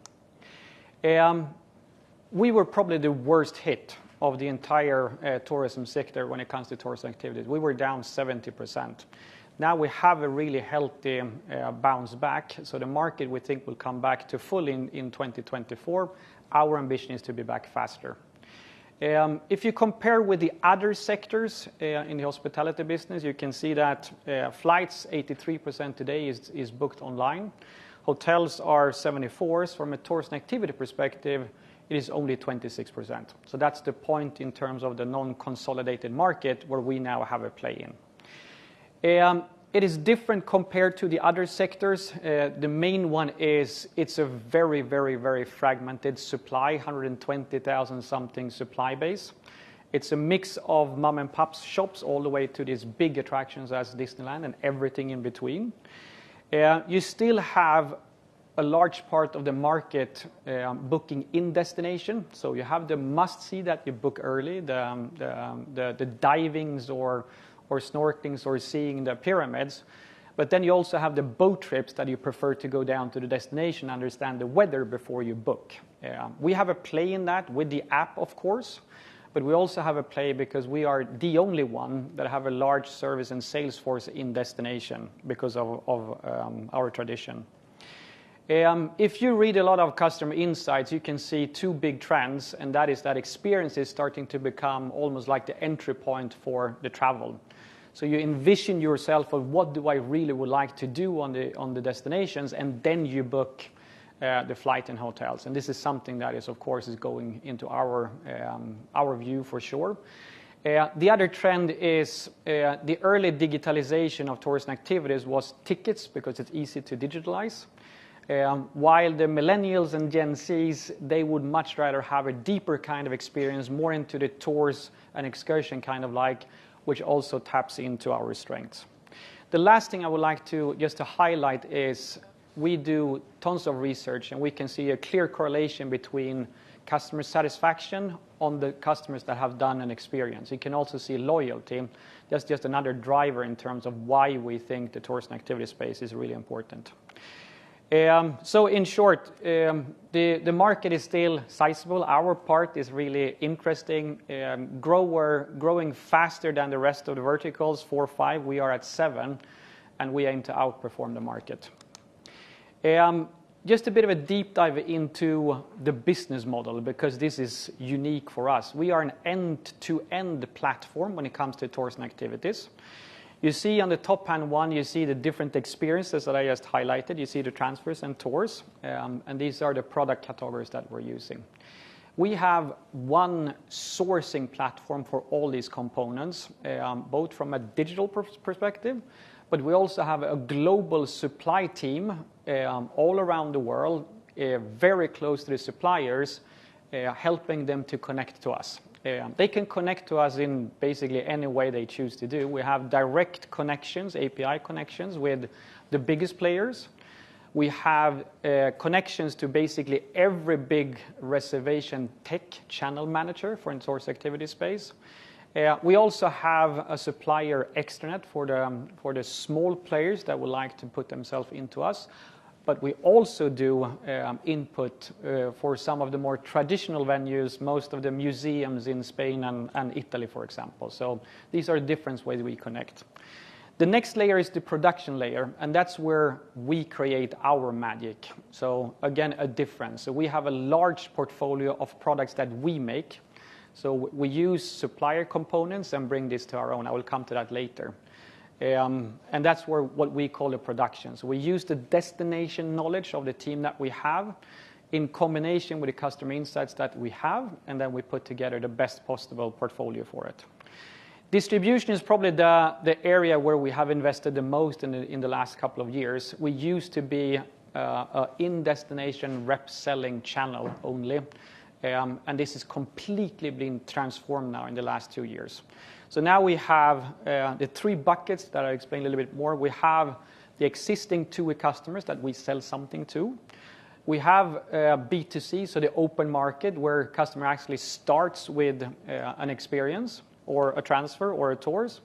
We were probably the worst hit of the entire tourism sector when it comes to Tours & Activities. We were down 70%. Now we have a really healthy bounce back, so the market, we think, will come back to full in 2024. Our ambition is to be back faster. If you compare with the other sectors in the hospitality business, you can see that flights, 83% today is booked online. Hotels are 74%. From a Tours & Activities perspective, it is only 26%. That's the point in terms of the non-consolidated market where we now have a play in. It is different compared to the other sectors. The main one is it's a very, very, very fragmented supply, 120,000 something supply base. It's a mix of mom-and-pop shops all the way to these big attractions as Disneyland and everything in between. You still have a large part of the market booking in destination. You have the must-see that you book early, the divings or snorkellings or seeing the pyramids. You also have the boat trips that you prefer to go down to the destination, understand the weather before you book. We have a play in that with the app, of course, but we also have a play because we are the only one that have a large service and sales force in destination because of our tradition. If you read a lot of customer insights, you can see 2 big trends, and that is that experience is starting to become almost like the entry point for the travel. You envision yourself of what do I really would like to do on the destinations, and then you book the flight and hotels. This is something that is, of course, is going into our view for sure. The other trend is the early digitalization of tours and activities was tickets because it's easy to digitalize. While the millennials and GenZs, they would much rather have a deeper kind of experience, more into the tours and excursion kind of like, which also taps into our strengths. The last thing I would like to highlight is we do tons of research, and we can see a clear correlation between customer satisfaction on the customers that have done an experience. You can also see loyalty. That's just another driver in terms of why we think the tours and activities space is really important. In short, the market is still sizable. Our part is really interesting, growing faster than the rest of the verticals, 4%, 5%. We are at 7%, and we aim to outperform the market. Just a bit of a deep dive into the business model because this is unique for us. We are an end-to-end platform when it comes to tourism activities. You see on the top pan one, you see the different experiences that I just highlighted. You see the transfers and tours, and these are the product categories that we're using. We have one sourcing platform for all these components, both from a digital perspective, but we also have a global supply team, all around the world, very close to the suppliers, helping them to connect to us. They can connect to us in basically any way they choose to do. We have direct connections, API connections with the biggest players. We have connections to basically every big reservation tech channel manager for in-source activity space. We also have a supplier extranet for the small players that would like to put themselves into us. We also do input for some of the more traditional venues, most of the museums in Spain and Italy, for example. These are different ways we connect. The next layer is the production layer, and that's where we create our magic. Again, a difference. We have a large portfolio of products that we make. We use supplier components and bring this to our own. I will come to that later. And that's where what we call the production. We use the destination knowledge of the team that we have in combination with the customer insights that we have, and then we put together the best possible portfolio for it. Distribution is probably the area where we have invested the most in the last couple of years. We used to be a in-destination rep selling channel only. This has completely been transformed now in the last two years. Now we have the three buckets that I explained a little bit more. We have the existing TUI customers that we sell something to. We have B2C, so the open market where customer actually starts with an experience or a transfer or a tours.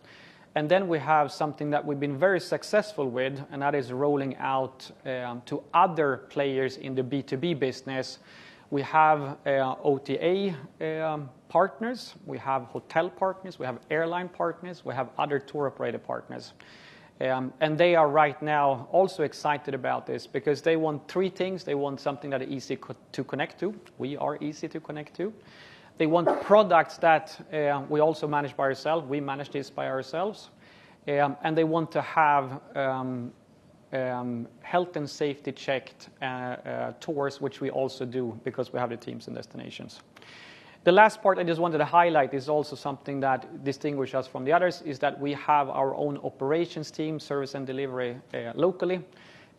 Then we have something that we've been very successful with, and that is rolling out to other players in the B2B business. We have OTA partners. We have hotel partners. We have airline partners. We have other tour operator partners. They are right now also excited about this because they want three things. They want something that is easy to connect to. We are easy to connect to. They want products that we also manage by ourselves. We manage this by ourselves. They want to have health and safety checked tours, which we also do because we have the teams and destinations. The last part I just wanted to highlight is also something that distinguish us from the others, is that we have our own operations team, service and delivery locally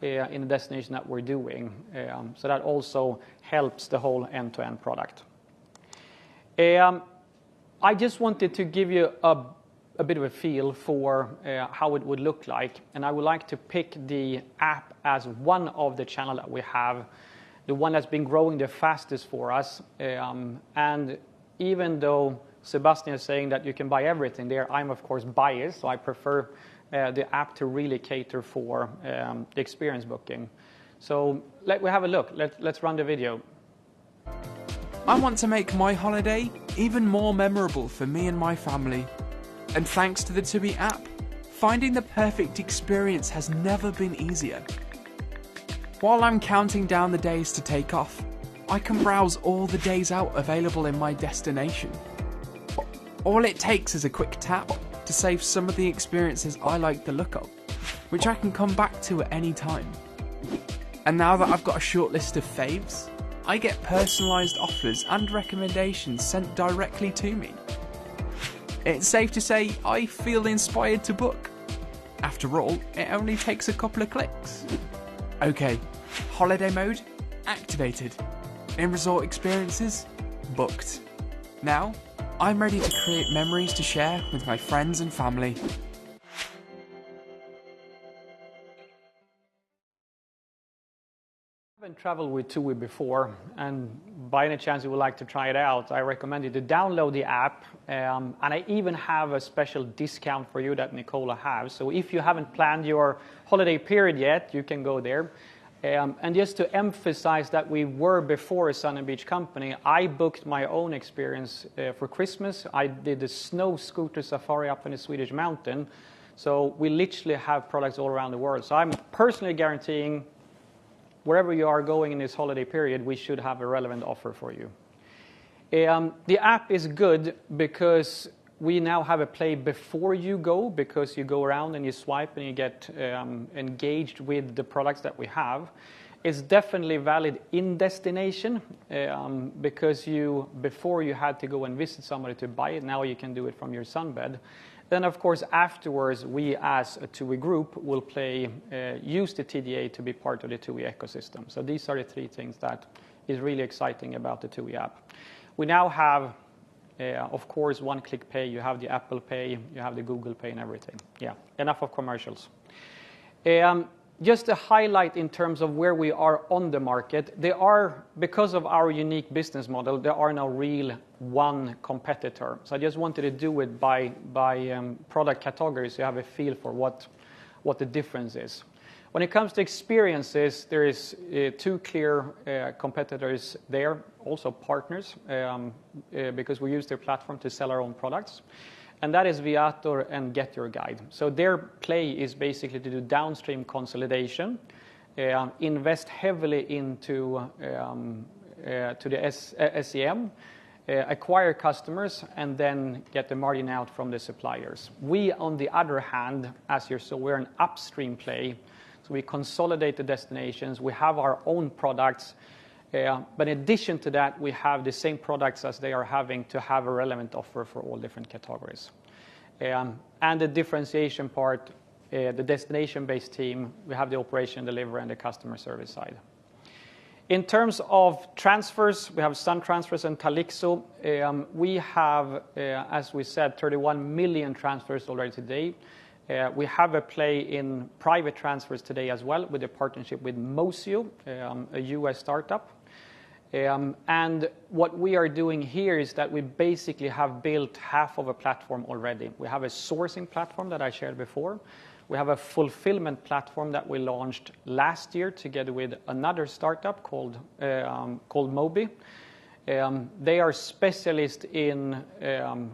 in the destination that we're doing. That also helps the whole end-to-end product. I just wanted to give you a bit of a feel for how it would look like, and I would like to pick the app as one of the channel that we have, the one that's been growing the fastest for us. Even though Sebastian is saying that you can buy everything there, I'm of course biased, so I prefer the app to really cater for the experience booking. Let we have a look. Let's run the video. I want to make my holiday even more memorable for me and my family. Thanks to the TUI app, finding the perfect experience has never been easier. While I'm counting down the days to take off, I can browse all the days out available in my destination. All it takes is a quick tap to save some of the experiences I like the look of, which I can come back to at any time. Now that I've got a shortlist of faves, I get personalized offers and recommendations sent directly to me. It's safe to say I feel inspired to book. After all, it only takes a couple of clicks. Okay, holiday mode activated. In-resort experiences booked. Now, I'm ready to create memories to share with my friends and family. Haven't traveled with TUI before, and by any chance you would like to try it out, I recommend you to download the app. I even have a special discount for you that Nicola have. If you haven't planned your holiday period yet, you can go there. Just to emphasize that we were before a sun and beach company, I booked my own experience for Christmas. I did a snow scooter safari up in a Swedish mountain, so we literally have products all around the world. I'm personally guaranteeing wherever you are going in this holiday period, we should have a relevant offer for you. The app is good because we now have a play before you go, because you go around and you swipe and you get engaged with the products that we have. It's definitely valid in destination, because before you had to go and visit somebody to buy it, now you can do it from your sunbed. Of course afterwards, we as a TUI Group will use the TDA to be part of the TUI ecosystem. These are the three things that is really exciting about the TUI app. We now have, of course, one-click pay. You have the Apple Pay, you have the Google Pay and everything. Enough of commercials. Just to highlight in terms of where we are on the market, because of our unique business model, there are no real one competitor. I just wanted to do it by product categories, you have a feel for what the difference is. When it comes to experiences, there is two clear competitors there, also partners, because we use their platform to sell our own products, and that is Viator and GetYourGuide. Their play is basically to do downstream consolidation, invest heavily into the SEM, acquire customers, and then get the margin out from the suppliers. We, on the other hand, we're an upstream play, so we consolidate the destinations, we have our own products, but in addition to that, we have the same products as they are having to have a relevant offer for all different categories. The differentiation part, the destination-based team, we have the operation delivery and the customer service side. In terms of transfers, we have some transfers in Calixo. We have, as we said, 31 million transfers already today. We have a play in private transfers today as well with a partnership with Mozio, a U.S. startup. What we are doing here is that we basically have built half of a platform already. We have a sourcing platform that I shared before. We have a fulfillment platform that we launched last year together with another startup called Mobi. They are specialist in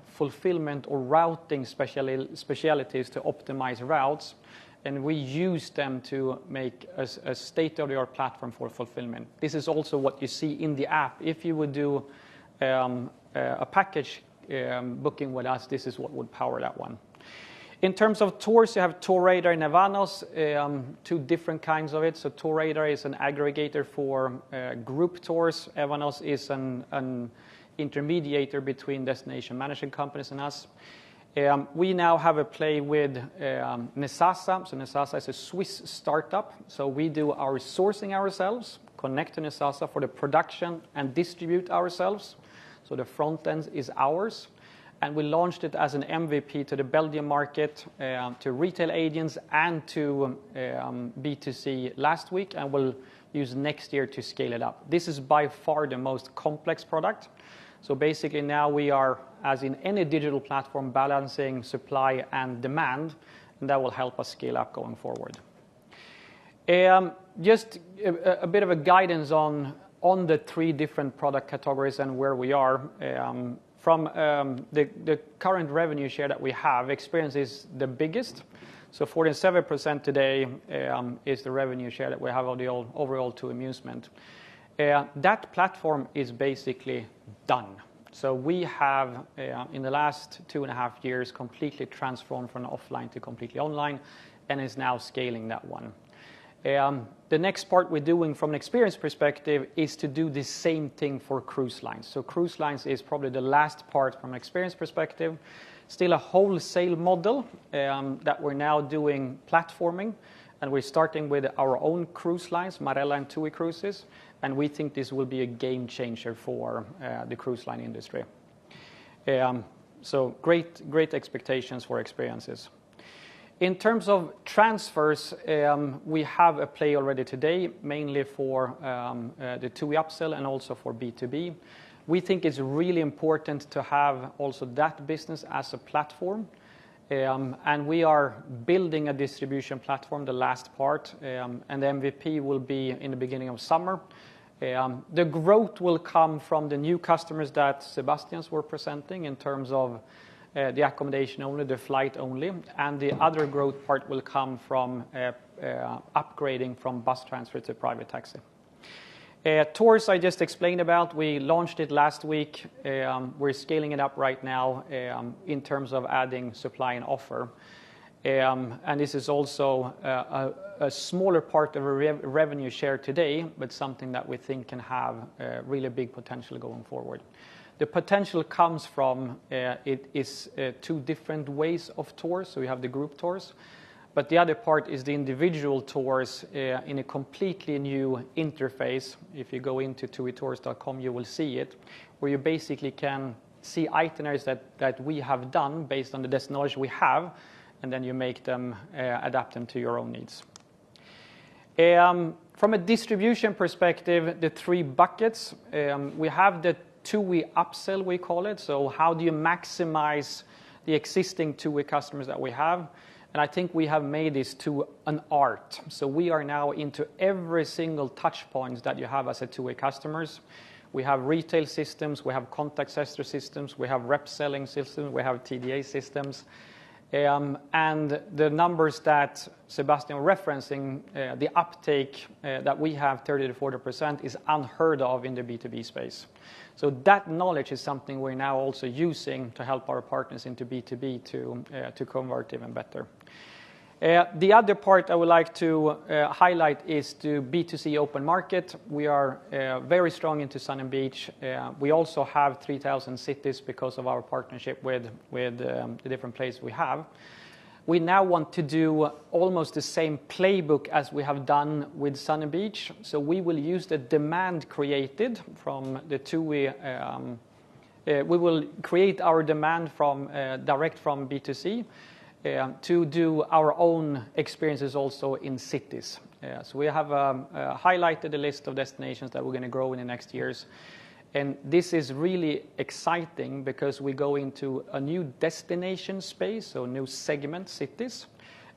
fulfillment or routing specialties to optimize routes, and we use them to make a state-of-the-art platform for fulfillment. This is also what you see in the app. If you would do a package booking with us, this is what would power that one. In terms of tours, you have TourRadar and Evaneos, two different kinds of it. TourRadar is an aggregator for group tours. Evaneos is an intermediator between destination managing companies and us. We now have a play with Nezasa. Nezasa is a Swiss startup. We do our sourcing ourselves, connect to Nezasa for the production, and distribute ourselves. The front end is ours. We launched it as an MVP to the Belgium market, to retail agents and to B2C last week, and we'll use next year to scale it up. This is by far the most complex product. Basically, now we are, as in any digital platform, balancing supply and demand, and that will help us scale up going forward. Just a bit of a guidance on the three different product categories and where we are, from the current revenue share that we have, experience is the biggest. 47% today is the revenue share that we have on the overall TUI Musement. That platform is basically done. We have in the last 2.5 years, completely transformed from offline to completely online and is now scaling that one. The next part we're doing from an experience perspective is to do the same thing for cruise lines. Cruise lines is probably the last part from experience perspective. Still a wholesale model that we're now doing platforming, and we're starting with our own cruise lines, Marella and TUI Cruises, and we think this will be a game changer for the cruise line industry. Great expectations for experiences. In terms of transfers, we have a play already today, mainly for the TUI upsell and also for B2B. We think it's really important to have also that business as a platform. We are building a distribution platform, the last part. The MVP will be in the beginning of summer. The growth will come from the new customers that Sebastian was presenting in terms of, the accommodation only, the flight only. The other growth part will come from, upgrading from bus transfer to private taxi. Tours I just explained about. We launched it last week. We're scaling it up right now, in terms of adding supply and offer. This is also, a smaller part of our re-revenue share today, but something that we think can have, really big potential going forward. The potential comes from, it is, two different ways of tours. We have the group tours, but the other part is the individual tours in a completely new interface. If you go into tuitours.com, you will see it, where you basically can see itineraries that we have done based on the best knowledge we have, and then you make them adapt them to your own needs. From a distribution perspective, the three buckets, we have the TUI upsell, we call it. How do you maximize the existing TUI customers that we have? I think we have made this to an art. We are now into every single touch points that you have as a TUI customers. We have retail systems, we have contact center systems, we have rep selling system, we have TDA systems. The numbers that Sebastian referencing, the uptake that we have 30%-40% is unheard of in the B2B space. That knowledge is something we're now also using to help our partners into B2B to convert even better. The other part I would like to highlight is to B2C open market. We are very strong into sun and beach. We also have 3,000 cities because of our partnership with the different places we have. We now want to do almost the same playbook as we have done with sun and beach. We will use the demand created from the TUI, we will create our demand from direct from B2C to do our own experiences also in cities. Yes, we have highlighted a list of destinations that we're gonna grow in the next years, and this is really exciting because we go into a new destination space, so new segment cities.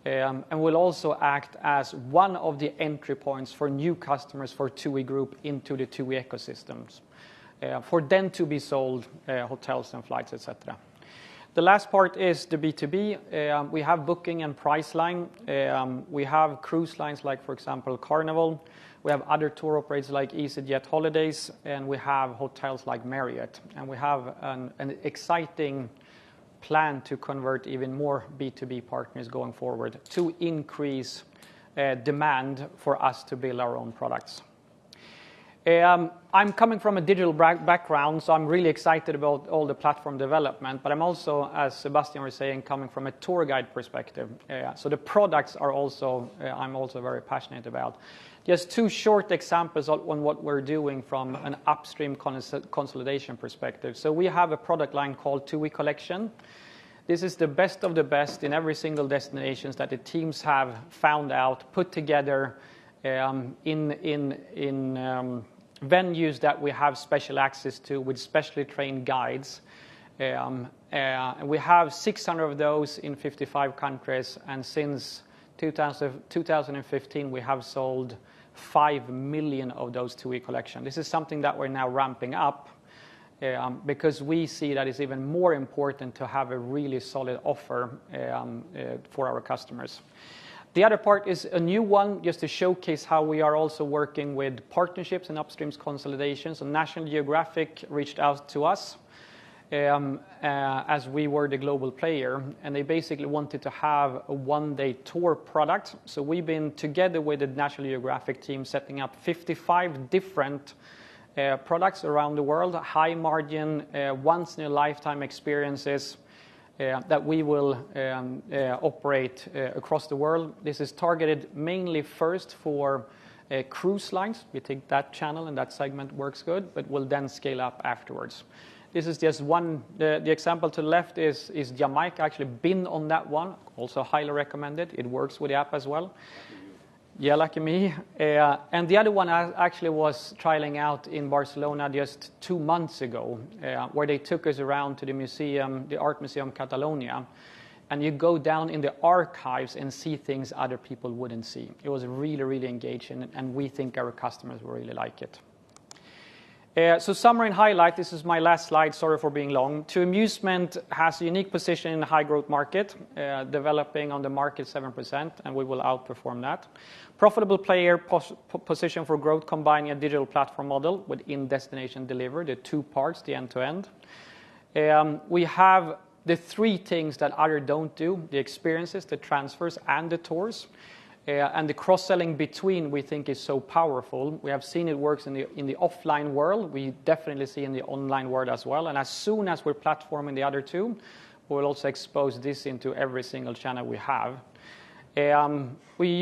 We'll also act as one of the entry points for new customers for TUI Group into the TUI ecosystems, for them to be sold, hotels and flights, et cetera. The last part is the B2B. We have booking and Priceline. We have cruise lines, like for example, Carnival. We have other tour operators like easyJet holidays, and we have hotels like Marriott. We have an exciting plan to convert even more B2B partners going forward to increase demand for us to build our own products. I'm coming from a digital background, I'm really excited about all the platform development, I'm also, as Sebastian was saying, coming from a tour guide perspective. The products are also, I'm also very passionate about. Just two short examples on what we're doing from an upstream consolidation perspective. We have a product line called TUI Collection. This is the best of the best in every single destinations that the teams have found out, put together, in venues that we have special access to with specially trained guides. We have 600 of those in 55 countries, and since 2015, we have sold 5 million of those TUI Collection. This is something that we're now ramping up because we see that it's even more important to have a really solid offer for our customers. The other part is a new one, just to showcase how we are also working with partnerships and upstreams consolidations. National Geographic reached out to us as we were the global player, and they basically wanted to have a one-day tour product. We've been together with the National Geographic team, setting up 55 different products around the world, high margin, once in a lifetime experiences that we will operate across the world. This is targeted mainly first for cruise lines. We think that channel and that segment works good, but we'll then scale up afterwards. This is just one. The example to left is Jamaica. Actually been on that one, also highly recommend it. It works with the app as well. Lucky you. Yeah, lucky me. The other one I actually was trialing out in Barcelona just two months ago, where they took us around to the museum, the Art Museum of Catalonia, and you go down in the archives and see things other people wouldn't see. It was really, really engaging. We think our customers will really like it. Summary and highlight. This is my last slide. Sorry for being long. TUI Musement has a unique position in the high growth market, developing on the market 7%, and we will outperform that. Profitable player position for growth, combining a digital platform model within destination delivery, the two parts, the end-to-end. We have the three things that other don't do, the experiences, the transfers, and the tours. The cross-selling between we think is so powerful. We have seen it works in the offline world. We definitely see in the online world as well. As soon as we're platforming the other two, we'll also expose this into every single channel we have. We're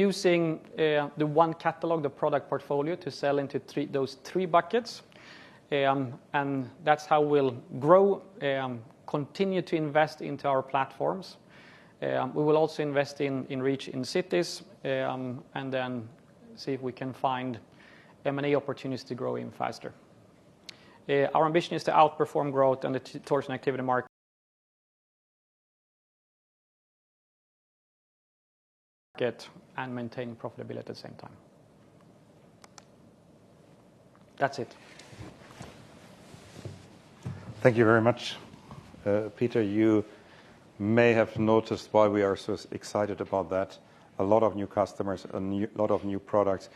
using the one catalog, the product portfolio, to sell into those three buckets. That's how we'll grow, continue to invest into our platforms. We will also invest in reach in cities, and then see if we can find M&A opportunities to grow even faster. Our ambition is to outperform growth on the Tours and Activity market, and maintain profitability at the same time. That's it. Thank you very much. Peter, you may have noticed why we are so excited about that. A lot of new customers, a lot of new products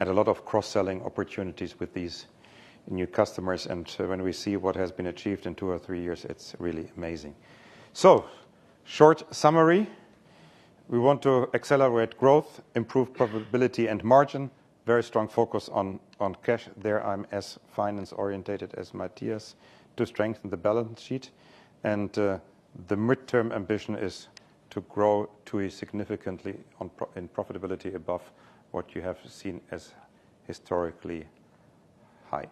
and a lot of cross-selling opportunities with these new customers. When we see what has been achieved in two or three years, it's really amazing. Short summary, we want to accelerate growth, improve profitability and margin, very strong focus on cash. There I'm as finance-orientated as Matthias to strengthen the balance sheet. The midterm ambition is to grow to a significantly in profitability above what you have seen as historically high.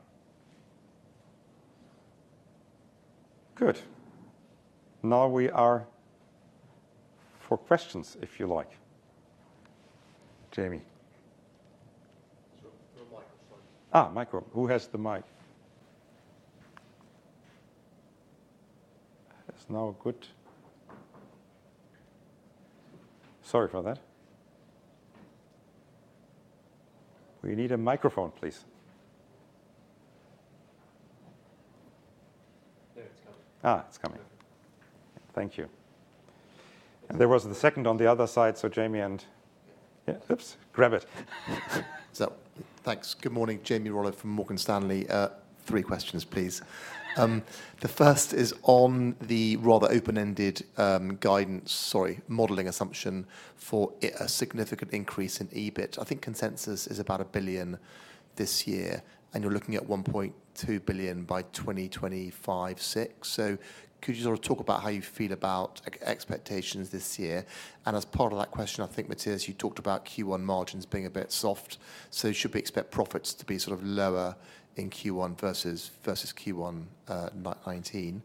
Good. Now we are for questions, if you like. Jamie. The microphone. Who has the mic? That's now good. Sorry for that. We need a microphone, please. There, it's coming. It's coming. Thank you. There was the second on the other side. Jamie and. Yeah. Oops, grab it. Sup? Thanks. Good morning. Jamie Rollo from Morgan Stanley. Three questions, please. The first is on the rather open-ended guidance, sorry, modeling assumption for a significant increase in EBIT. I think consensus is about 1 billion this year, and you're looking at 1.2 billion by 2025/26. Could you sort of talk about how you feel about expectations this year? As part of that question, I think, Matthias, you talked about Q1 margins being a bit soft. Should we expect profits to be sort of lower in Q1 versus Q1 2019?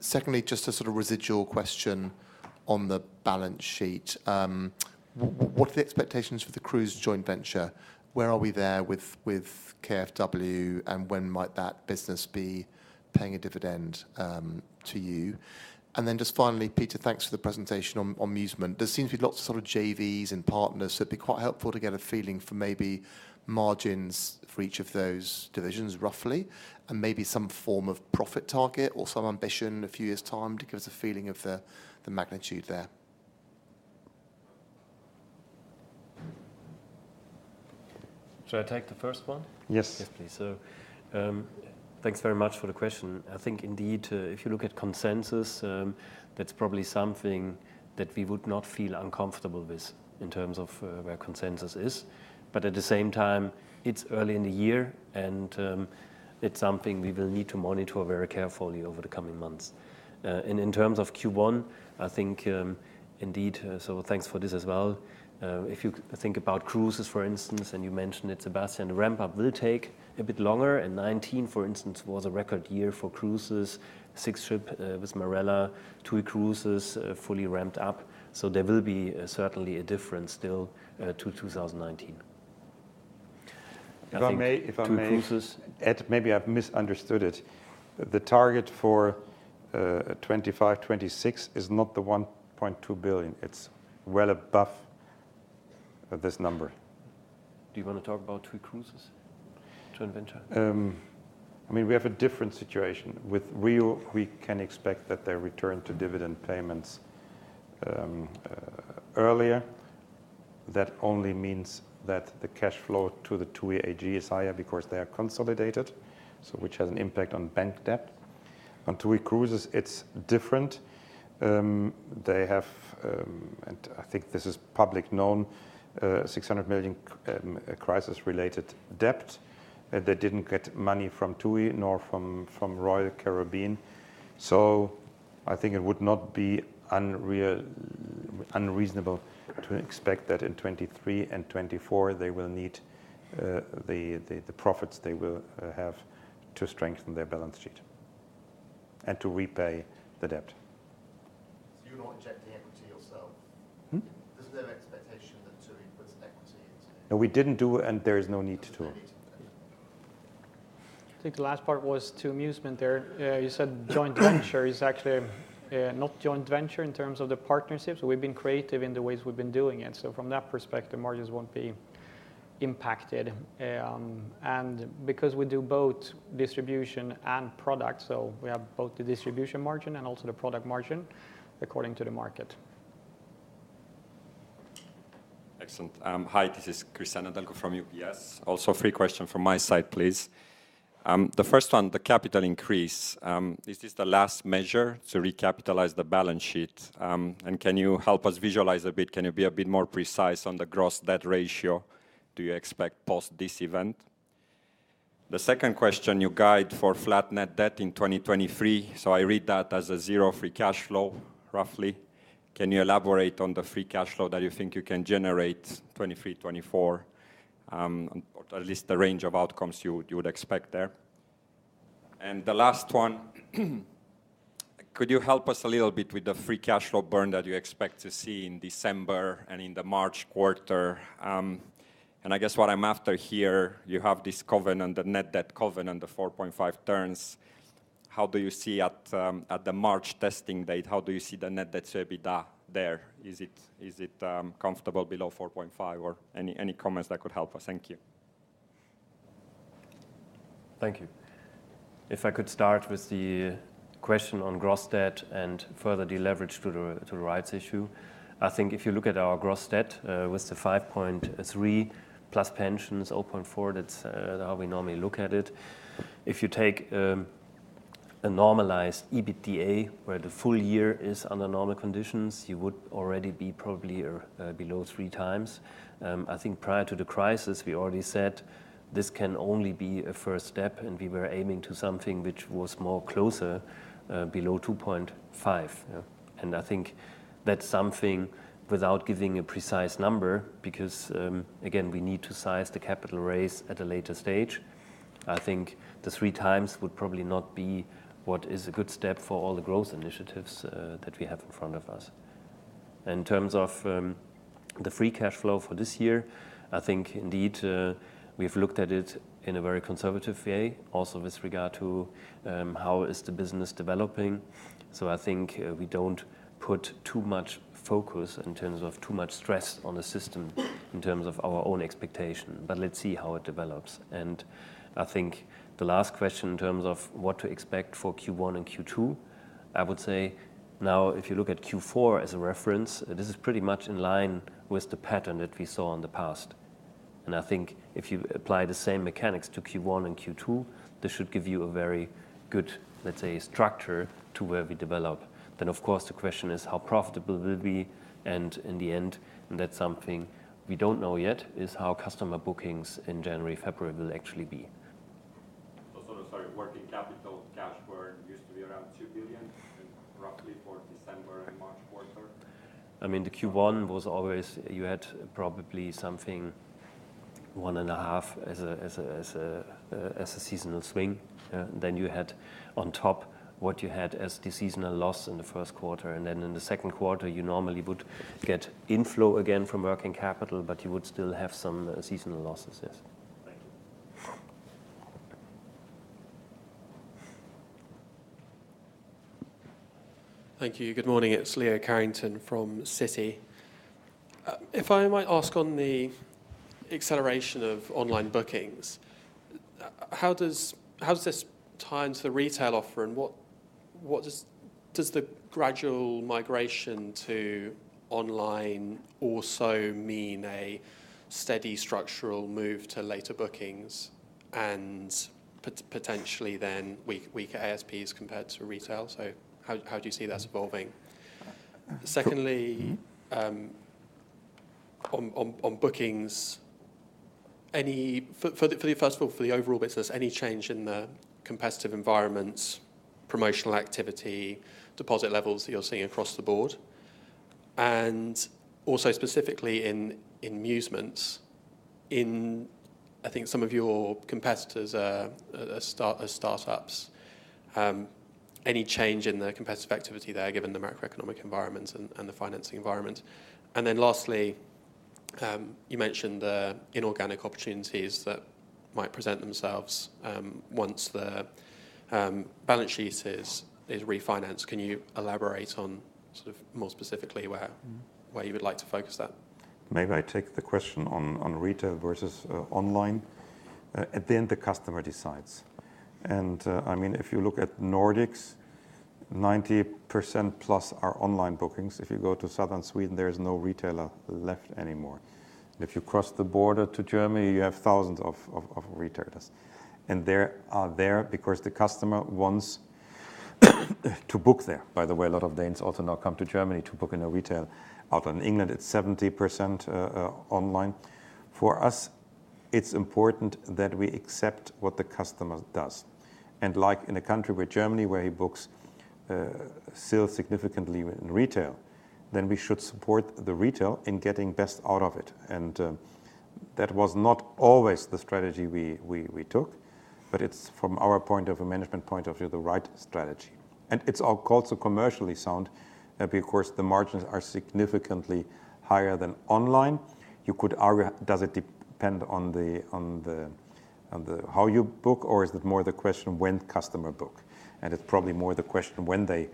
Secondly, just a sort of residual question on the balance sheet. What are the expectations for the cruise joint venture? Where are we there with KfW, and when might that business be paying a dividend to you? Just finally, Peter, thanks for the presentation on Musement. There seems to be lots of sort of JVs and partners, so it'd be quite helpful to get a feeling for maybe margins for each of those divisions, roughly, and maybe some form of profit target or some ambition a few years' time to give us a feeling of the magnitude there. Should I take the first one? Yes. Yes, please. Thanks very much for the question. I think indeed, if you look at consensus, that's probably something that we would not feel uncomfortable with in terms of where consensus is. At the same time, it's early in the year and it's something we will need to monitor very carefully over the coming months. In terms of Q1, I think indeed, thanks for this as well. If you think about cruises, for instance, and you mentioned it, Sebastian, the ramp-up will take a bit longer. 2019, for instance, was a record year for cruises. Six ship with Marella, TUI Cruises, fully ramped up. There will be certainly a difference still to 2019. If I may. TUI Cruises. add, maybe I've misunderstood it. The target for 2025, 2026 is not the 1.2 billion. It's well above this number. Do you wanna talk about TUI Cruises joint venture? I mean, we have a different situation. With RIU, we can expect that their return to dividend payments earlier. That only means that the cash flow to the TUI AG is higher because they are consolidated, so which has an impact on bank debt. On TUI Cruises, it's different. They have, and I think this is public known, 600 million crisis-related debt. They didn't get money from TUI nor from Royal Caribbean. I think it would not be unreasonable to expect that in 2023 and 2024, they will need the profits they will have to strengthen their balance sheet and to repay the debt. You're not injecting equity yourself? Hmm? Is there an expectation that TUI puts equity? No, we didn't do, and there is no need to. No need. I think the last part was to amusement there. You said joint venture. It's actually not joint venture in terms of the partnerships. We've been creative in the ways we've been doing it. From that perspective, margins won't be impacted. Because we do both distribution and product, so we have both the distribution margin and also the product margin according to the market. Excellent. Hi, this is Cristian Nedelcu from UBS. Also 3 question from my side, please. The first one, the capital increase, is this the last measure to recapitalize the balance sheet? Can you help us visualize a bit? Can you be a bit more precise on the gross debt ratio do you expect post this event? The second question, you guide for flat net debt in 2023, I read that as a 0 free cash flow, roughly. Can you elaborate on the free cash flow that you think you can generate 2023, 2024, or at least the range of outcomes you would expect there? The last one, could you help us a little bit with the free cash flow burn that you expect to see in December and in the March quarter? I guess what I'm after here, you have this covenant, the net debt covenant, the 4.5 turns. How do you see at the March testing date? How do you see the net debt to EBITDA there? Is it comfortable below 4.5, or any comments that could help us? Thank you. Thank you. If I could start with the question on gross debt and further deleverage to the rights issue. I think if you look at our gross debt, with 5.3 plus pensions, 0.4, that's how we normally look at it. If you take a normalized EBITDA where the full year is under normal conditions, you would already be probably below three times. I think prior to the crisis, we already said this can only be a first step, and we were aiming to something which was more closer below 2.5. Yeah. I think that's something without giving a precise number because again, we need to size the capital raise at a later stage. I think the three times would probably not be what is a good step for all the growth initiatives that we have in front of us. In terms of the free cash flow for this year, I think indeed, we've looked at it in a very conservative way, also with regard to how is the business developing. I think we don't put too much focus in terms of too much stress on the system in terms of our own expectation. Let's see how it develops. I think the last question in terms of what to expect for Q1 and Q2, I would say now if you look at Q4 as a reference, this is pretty much in line with the pattern that we saw in the past. I think if you apply the same mechanics to Q1 and Q2, this should give you a very good, let's say, structure to where we develop. Of course, the question is how profitable will it be, and in the end, and that's something we don't know yet, is how customer bookings in January, February will actually be. Sort of, sorry, working capital cash burn used to be around EUR 2 billion? before December and March quarter? I mean, the Q1 was always you had probably something one and a half as a seasonal swing. You had on top what you had as the seasonal loss in the first quarter. In the second quarter, you normally would get inflow again from working capital, but you would still have some seasonal losses, yes. Thank you. Thank you. Good morning. It's Leo Carrington from Citi. If I might ask on the acceleration of online bookings, how does this tie into the retail offer and what does the gradual migration to online also mean a steady structural move to later bookings and potentially then weaker ASPs compared to retail? How do you see that evolving? Secondly, on bookings, for first of all, for the overall business, any change in the competitive environments, promotional activity, deposit levels that you're seeing across the board? Also specifically in amusements, in I think some of your competitors, as startups, any change in the competitive activity there given the macroeconomic environment and the financing environment? Lastly, you mentioned the inorganic opportunities that might present themselves, once the balance sheet is refinanced. Can you elaborate on sort of more specifically? Mm-hmm where you would like to focus that? Maybe I take the question on retail versus online. At the end, the customer decides. I mean, if you look at Nordics, 90% plus are online bookings. If you go to Southern Sweden, there is no retailer left anymore. If you cross the border to Germany, you have thousands of retailers. They are there because the customer wants to book there. By the way, a lot of Danes also now come to Germany to book in a retail. Out in England, it's 70% online. For us, it's important that we accept what the customer does. Like in a country where Germany, where he books still significantly in retail, then we should support the retail in getting best out of it. That was not always the strategy we took, but it's from our point of view, management point of view, the right strategy. It's also commercially sound because the margins are significantly higher than online. You could argue, does it depend on the how you book, or is it more the question when customer book? It's probably more the question when they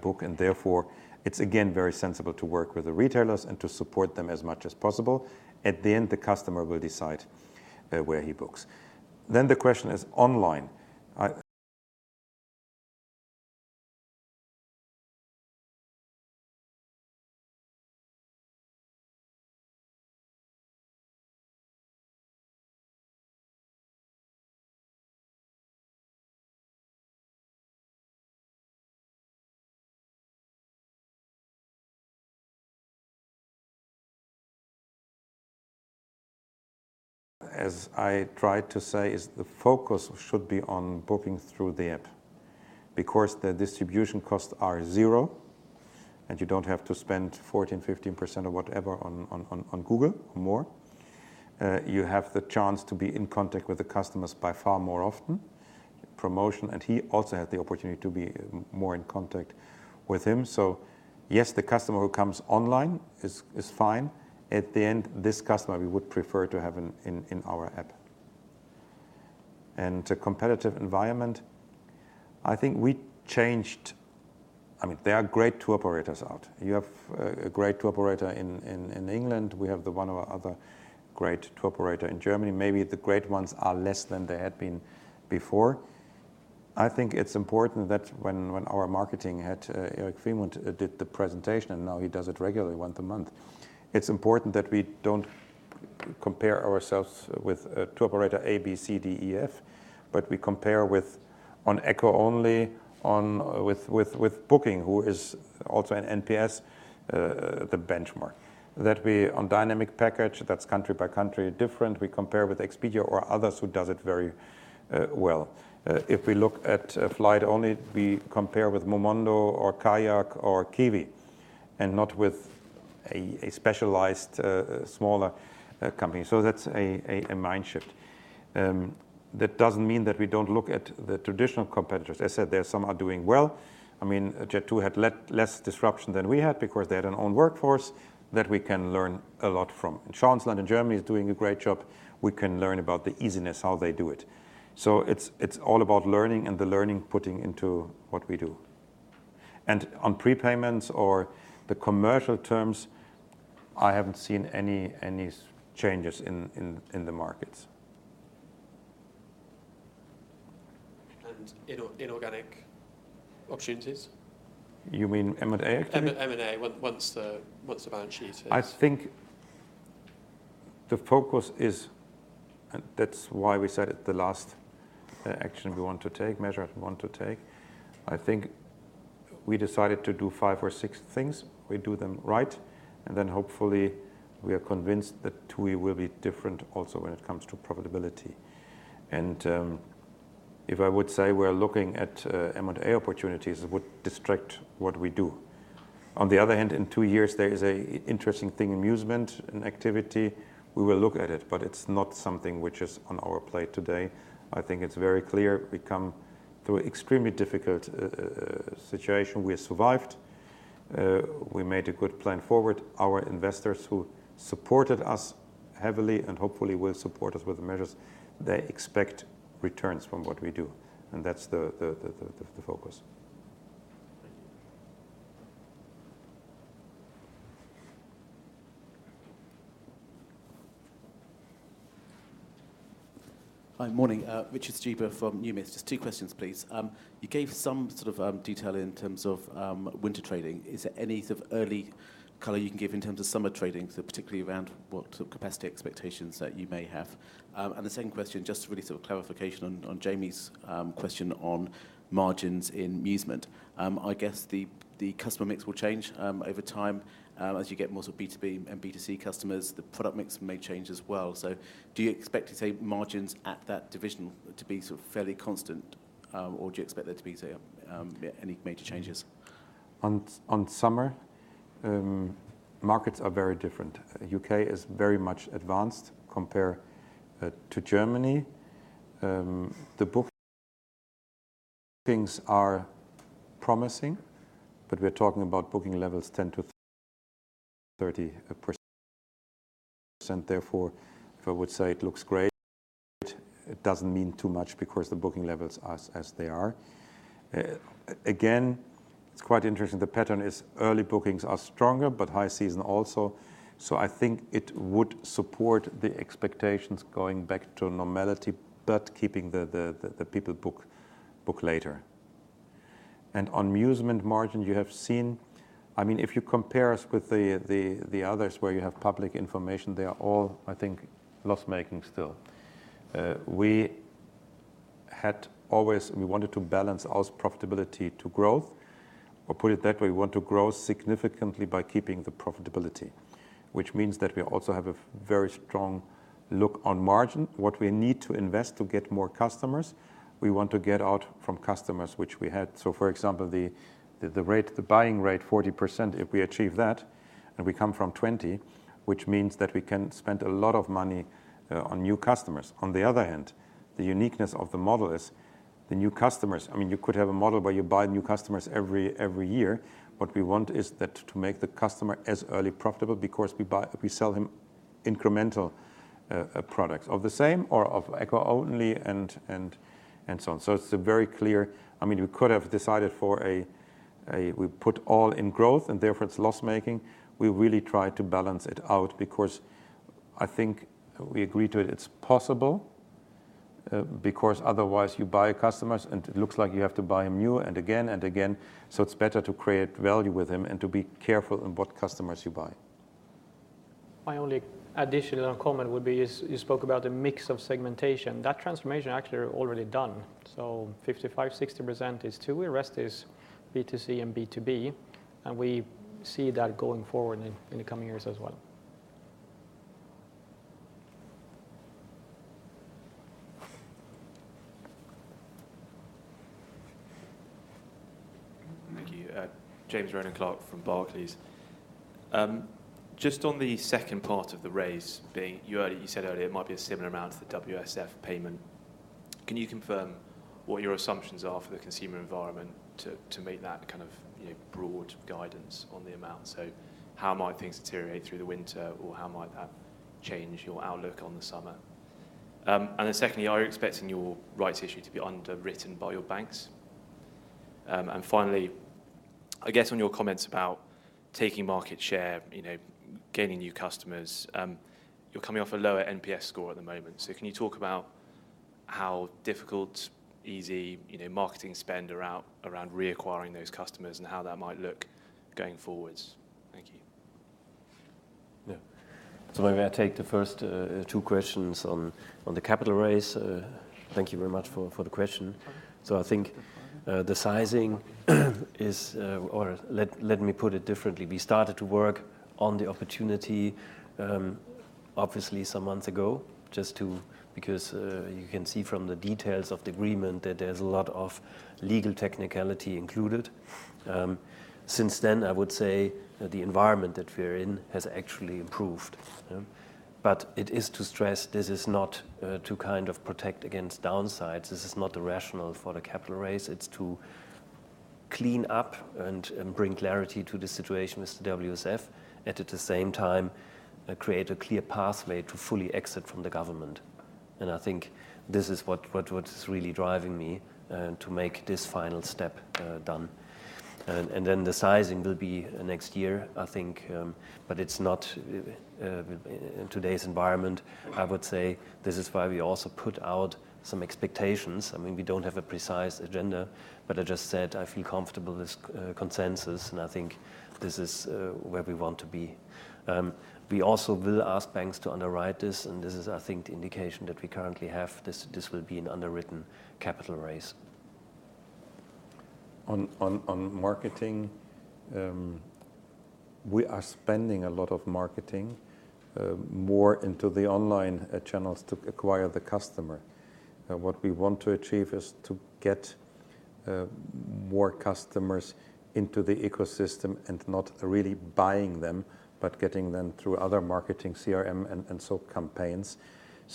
book, and therefore it's again very sensible to work with the retailers and to support them as much as possible. At the end, the customer will decide where he books. The question is online. As I tried to say, the focus should be on booking through the app. Because the distribution costs are zero, and you don't have to spend 14, 15% or whatever on Google or more. You have the chance to be in contact with the customers by far more often. Promotion. He also had the opportunity to be more in contact with him. Yes, the customer who comes online is fine. At the end, this customer we would prefer to have in our app. Competitive environment, I think we changed. I mean, there are great tour operators out. You have a great tour operator in England. We have the one or other great tour operator in Germany. Maybe the great ones are less than they had been before. I think it's important that when our marketing head, Erik Friemuth did the presentation, and now he does it regularly once a month, it's important that we don't compare ourselves with tour operator A, B, C, D, E, F, but we compare with on ECO only with Booking.com, who is also an NPS, the benchmark. That we on dynamic package, that's country by country different, we compare with Expedia or others who does it very well. If we look at a flight only, we compare with Momondo or Kayak or Kiwi.com, and not with a specialized, smaller company. That's a mind shift. That doesn't mean that we don't look at the traditional competitors. I said there some are doing well. I mean, Jet2 had less disruption than we had because they had an own workforce that we can learn a lot from. Transland in Germany is doing a great job. We can learn about the easiness, how they do it. It's all about learning and the learning putting into what we do. On prepayments or the commercial terms, I haven't seen any changes in the markets. Inorganic opportunities? You mean M&A activity? M&A, once the balance sheet is- I think the focus is, and that's why we said it the last, action we want to take, measure we want to take. I think we decided to do five or six things. We do them right, and then hopefully we are convinced that TUI will be different also when it comes to profitability. If I would say we're looking at, M&A opportunities, it would distract what we do. On the other hand, in two years, there is a interesting thing, amusement and activity. We will look at it, but it's not something which is on our plate today. I think it's very clear we come through extremely difficult situation. We survived. We made a good plan forward. Our investors who supported us heavily and hopefully will support us with the measures, they expect returns from what we do. That's the focus. Thank you. Hi. Morning. Richard Stuber from Numis. Just two questions, please. You gave some sort of detail in terms of winter trading. Is there any sort of early color you can give in terms of summer trading, so particularly around what sort of capacity expectations that you may have? The second question, just really sort of clarification on Jamie's question on margins in Musement. I guess the customer mix will change over time as you get more sort of B2B and B2C customers. The product mix may change as well. Do you expect to say margins at that division to be sort of fairly constant, or do you expect there to be, say, any major changes? On summer, markets are very different. U.K. is very much advanced compared to Germany. The bookings are promising, but we're talking about booking levels 10%-30%. If I would say it looks great, it doesn't mean too much because the booking levels are as they are. Again, it's quite interesting. The pattern is early bookings are stronger, but high season also. I think it would support the expectations going back to normality, but keeping the people book later. On Musement margin, you have seen. I mean, if you compare us with the others where you have public information, they are all, I think, loss-making still. We wanted to balance our profitability to growth, or put it that way, we want to grow significantly by keeping the profitability, which means that we also have a very strong look on margin. What we need to invest to get more customers, we want to get out from customers which we had. For example, the rate, the buying rate, 40%, if we achieve that, and we come from 20%, which means that we can spend a lot of money on new customers. The other hand, the uniqueness of the model is the new customers. I mean, you could have a model where you buy new customers every year. What we want is that to make the customer as early profitable because we sell him incremental products of the same or of eco only and so on. It's a very clear. I mean, we could have decided for a. We put all in growth, and therefore it's loss-making. We really try to balance it out because I think we agree to it. It's possible, because otherwise you buy customers, and it looks like you have to buy them new and again and again. It's better to create value with them and to be careful in what customers you buy. My only additional comment would be is you spoke about a mix of segmentation. That transformation actually already done. Fifty-five-60% is tour, rest is B2C and B2B. We see that going forward in the coming years as well. Thank you. James Rowland-Clarke from Barclays. Just on the second part of the raise being... You said earlier it might be a similar amount to the WSF payment. Can you confirm what your assumptions are for the consumer environment to meet that kind of, you know, broad guidance on the amount? How might things deteriorate through the winter, or how might that change your outlook on the summer? Secondly, are you expecting your rights issue to be underwritten by your banks? Finally, I guess on your comments about taking market share, you know, gaining new customers, you're coming off a lower NPS score at the moment. Can you talk about how difficult, easy, you know, marketing spend around reacquiring those customers and how that might look going forwards? Thank you. Yeah. Maybe I take the first two questions on the capital raise. Thank you very much for the question. I think the sizing is, or let me put it differently. We started to work on the opportunity, obviously some months ago because you can see from the details of the agreement that there's a lot of legal technicality included. Since then, I would say the environment that we're in has actually improved. It is to stress this is not to kind of protect against downsides. This is not the rationale for the capital raise. It's to clean up and bring clarity to the situation with WSF and at the same time create a clear pathway to fully exit from the government. I think this is what's really driving me to make this final step done. The sizing will be next year, I think. It's not in today's environment, I would say this is why we also put out some expectations. I mean, we don't have a precise agenda, but I just said I feel comfortable with consensus, I think this is where we want to be. We also will ask banks to underwrite this is, I think, the indication that we currently have. This will be an underwritten capital raise. On marketing, we are spending a lot of marketing more into the online channels to acquire the customer. What we want to achieve is to get more customers into the ecosystem and not really buying them, but getting them through other marketing CRM and so campaigns.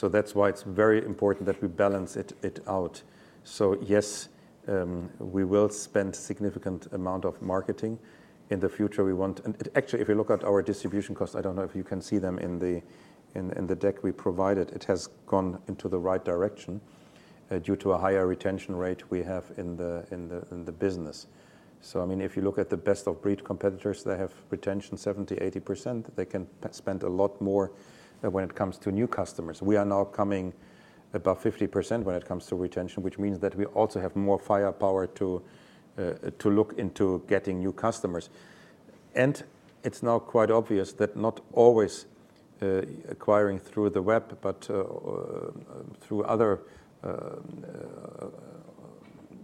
That's why it's very important that we balance it out. Yes, we will spend significant amount of marketing. In the future, we want. Actually, if you look at our distribution costs, I don't know if you can see them in the deck we provided, it has gone into the right direction due to a higher retention rate we have in the business. I mean, if you look at the best-of-breed competitors, they have retention 70%, 80%. They can spend a lot more when it comes to new customers. We are now coming above 50% when it comes to retention, which means that we also have more firepower to look into getting new customers. It's now quite obvious that not always acquiring through the web, but through other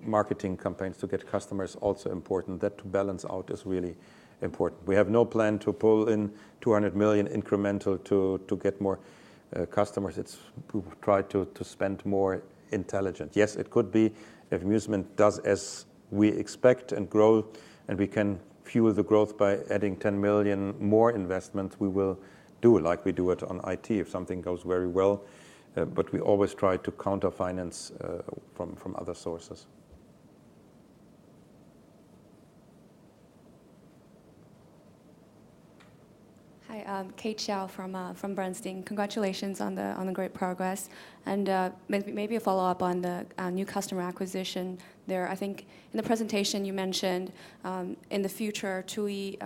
marketing campaigns to get customers also important. That to balance out is really important. We have no plan to pull in 200 million incremental to get more customers. It's to try to spend more intelligent. Yes, it could be if Musement does as we expect and grow, and we can fuel the growth by adding 10 million more investment, we will do it like we do it on IT if something goes very well. But we always try to counter finance from other sources. Hi, Kate Xiao from Bernstein. Congratulations on the great progress. Maybe a follow-up on the new customer acquisition there. I think in the presentation you mentioned, in the future, TUI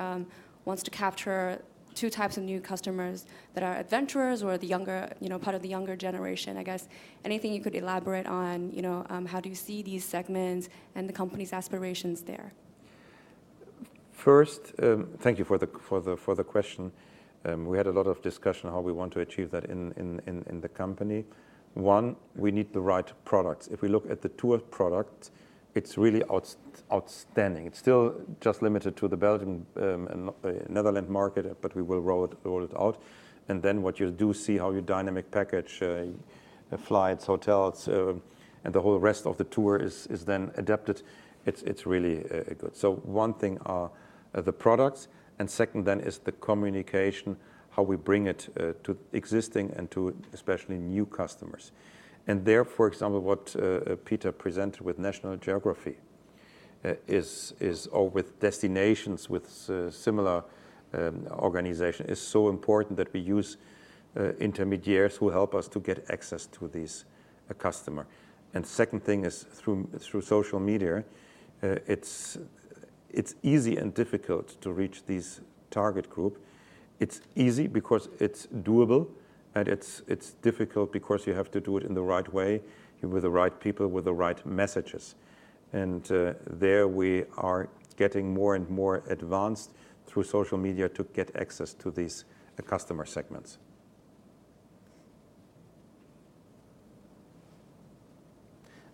wants to capture two types of new customers that are adventurers or the younger, you know, part of the younger generation, I guess. Anything you could elaborate on, you know, how do you see these segments and the company's aspirations there? First, thank you for the question. We had a lot of discussion how we want to achieve that in the company. One, we need the right products. If we look at the tour product, it's really outstanding. It's still just limited to the Belgian and Netherlands market, but we will roll it out. What you do see how your dynamic package, flights, hotels, and the whole rest of the tour is then adapted. It's really good. One thing are the products, and second is the communication, how we bring it to existing and to especially new customers. There, for example, what Peter presented with National Geographic is or with destinations with similar organization, is so important that we use intermediaries who help us to get access to these customer. Second thing is through social media. It's easy and difficult to reach these target group. It's easy because it's doable, and it's difficult because you have to do it in the right way and with the right people, with the right messages. There we are getting more and more advanced through social media to get access to these customer segments.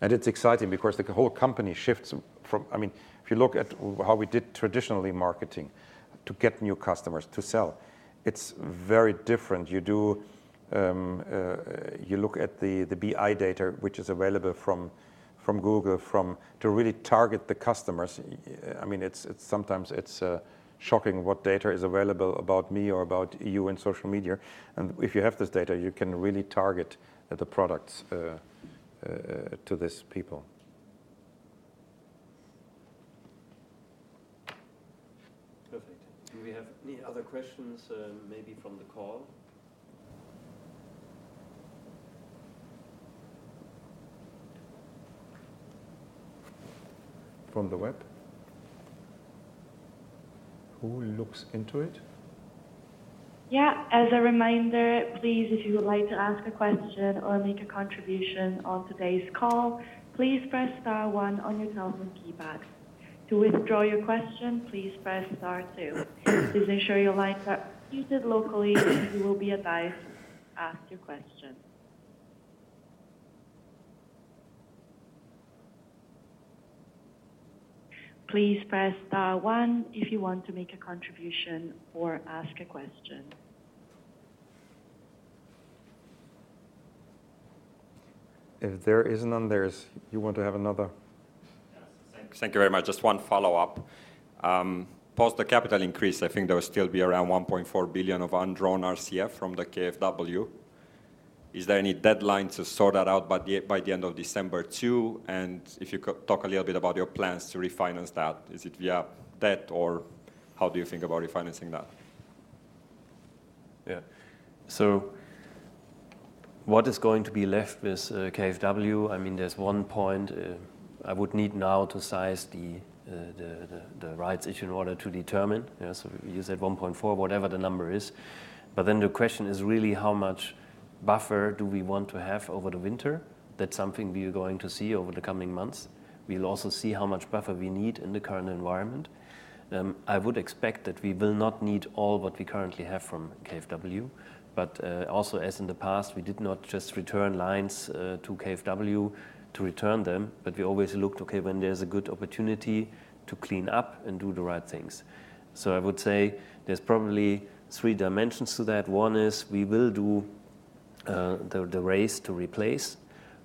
It's exciting because the whole company shifts from. I mean, if you look at how we did traditionally marketing to get new customers to sell, it's very different. You do, you look at the BI data, which is available from Google, from... to really target the customers. I mean, it's sometimes it's shocking what data is available about me or about you in social media. If you have this data, you can really target the products to these people. Perfect. Do we have any other questions, maybe from the call? From the web? Who looks into it? Yeah. As a reminder, please, if you would like to ask a question or make a contribution on today's call, please press star one on your telephone keypad. To withdraw your question, please press star two. Please ensure your lines are muted locally, you will be advised to ask your question. Please press star one if you want to make a contribution or ask a question. If there is none. You want to have another? Yes. Thank you very much. Just one follow-up. Post the capital increase, I think there will still be around 1.4 billion of undrawn RCF from the KfW. Is there any deadline to sort that out by the end of December 2? If you could talk a little bit about your plans to refinance that. Is it via debt or how do you think about refinancing that? Yeah. What is going to be left with, KfW, I mean, there's one point, I would need now to size the rights issue in order to determine. Yeah, you said 1.4, whatever the number is. The question is really how much buffer do we want to have over the winter? That's something we are going to see over the coming months. We'll also see how much buffer we need in the current environment. I would expect that we will not need all what we currently have from KfW. Also as in the past, we did not just return lines to KfW to return them, but we always looked, okay, when there's a good opportunity to clean up and do the right things. I would say there's probably three dimensions to that. One is we will do the raise to replace.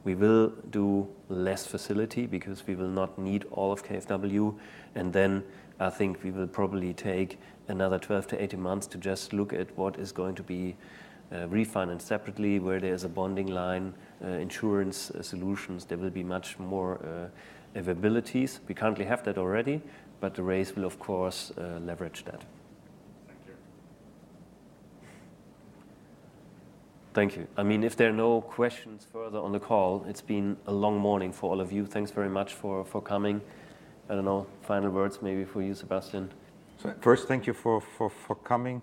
We will do less facility because we will not need all of KfW. I think we will probably take another 12 to 18 months to just look at what is going to be refinanced separately, where there's a bonding line, insurance solutions. There will be much more availabilities. We currently have that already, but the raise will of course leverage that. Thank you. Thank you. I mean, if there are no questions further on the call, it's been a long morning for all of you. Thanks very much for coming. I don't know, final words maybe for you, Sebastian. First, thank you for coming.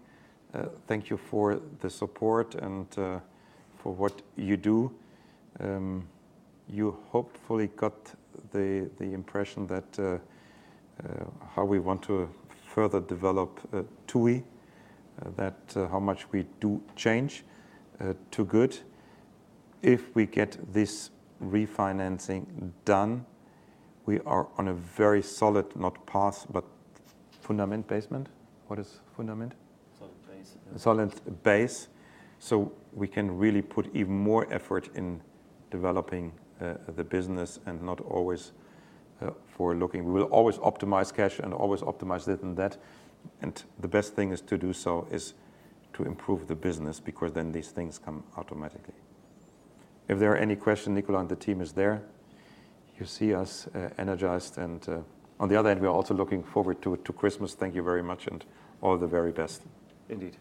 Thank you for the support and for what you do. You hopefully got the impression that how we want to further develop TUI, that how much we do change to good. If we get this refinancing done, we are on a very solid, not path, but fundament basement. What is fundament? Solid base. Solid base. We can really put even more effort in developing the business, not always forward-looking. We will always optimize cash and always optimize this and that. The best thing is to do so is to improve the business because then these things come automatically. If there are any question, Nicola and the team is there. You see us energized and on the other hand, we are also looking forward to Christmas. Thank you very much. All the very best. Indeed.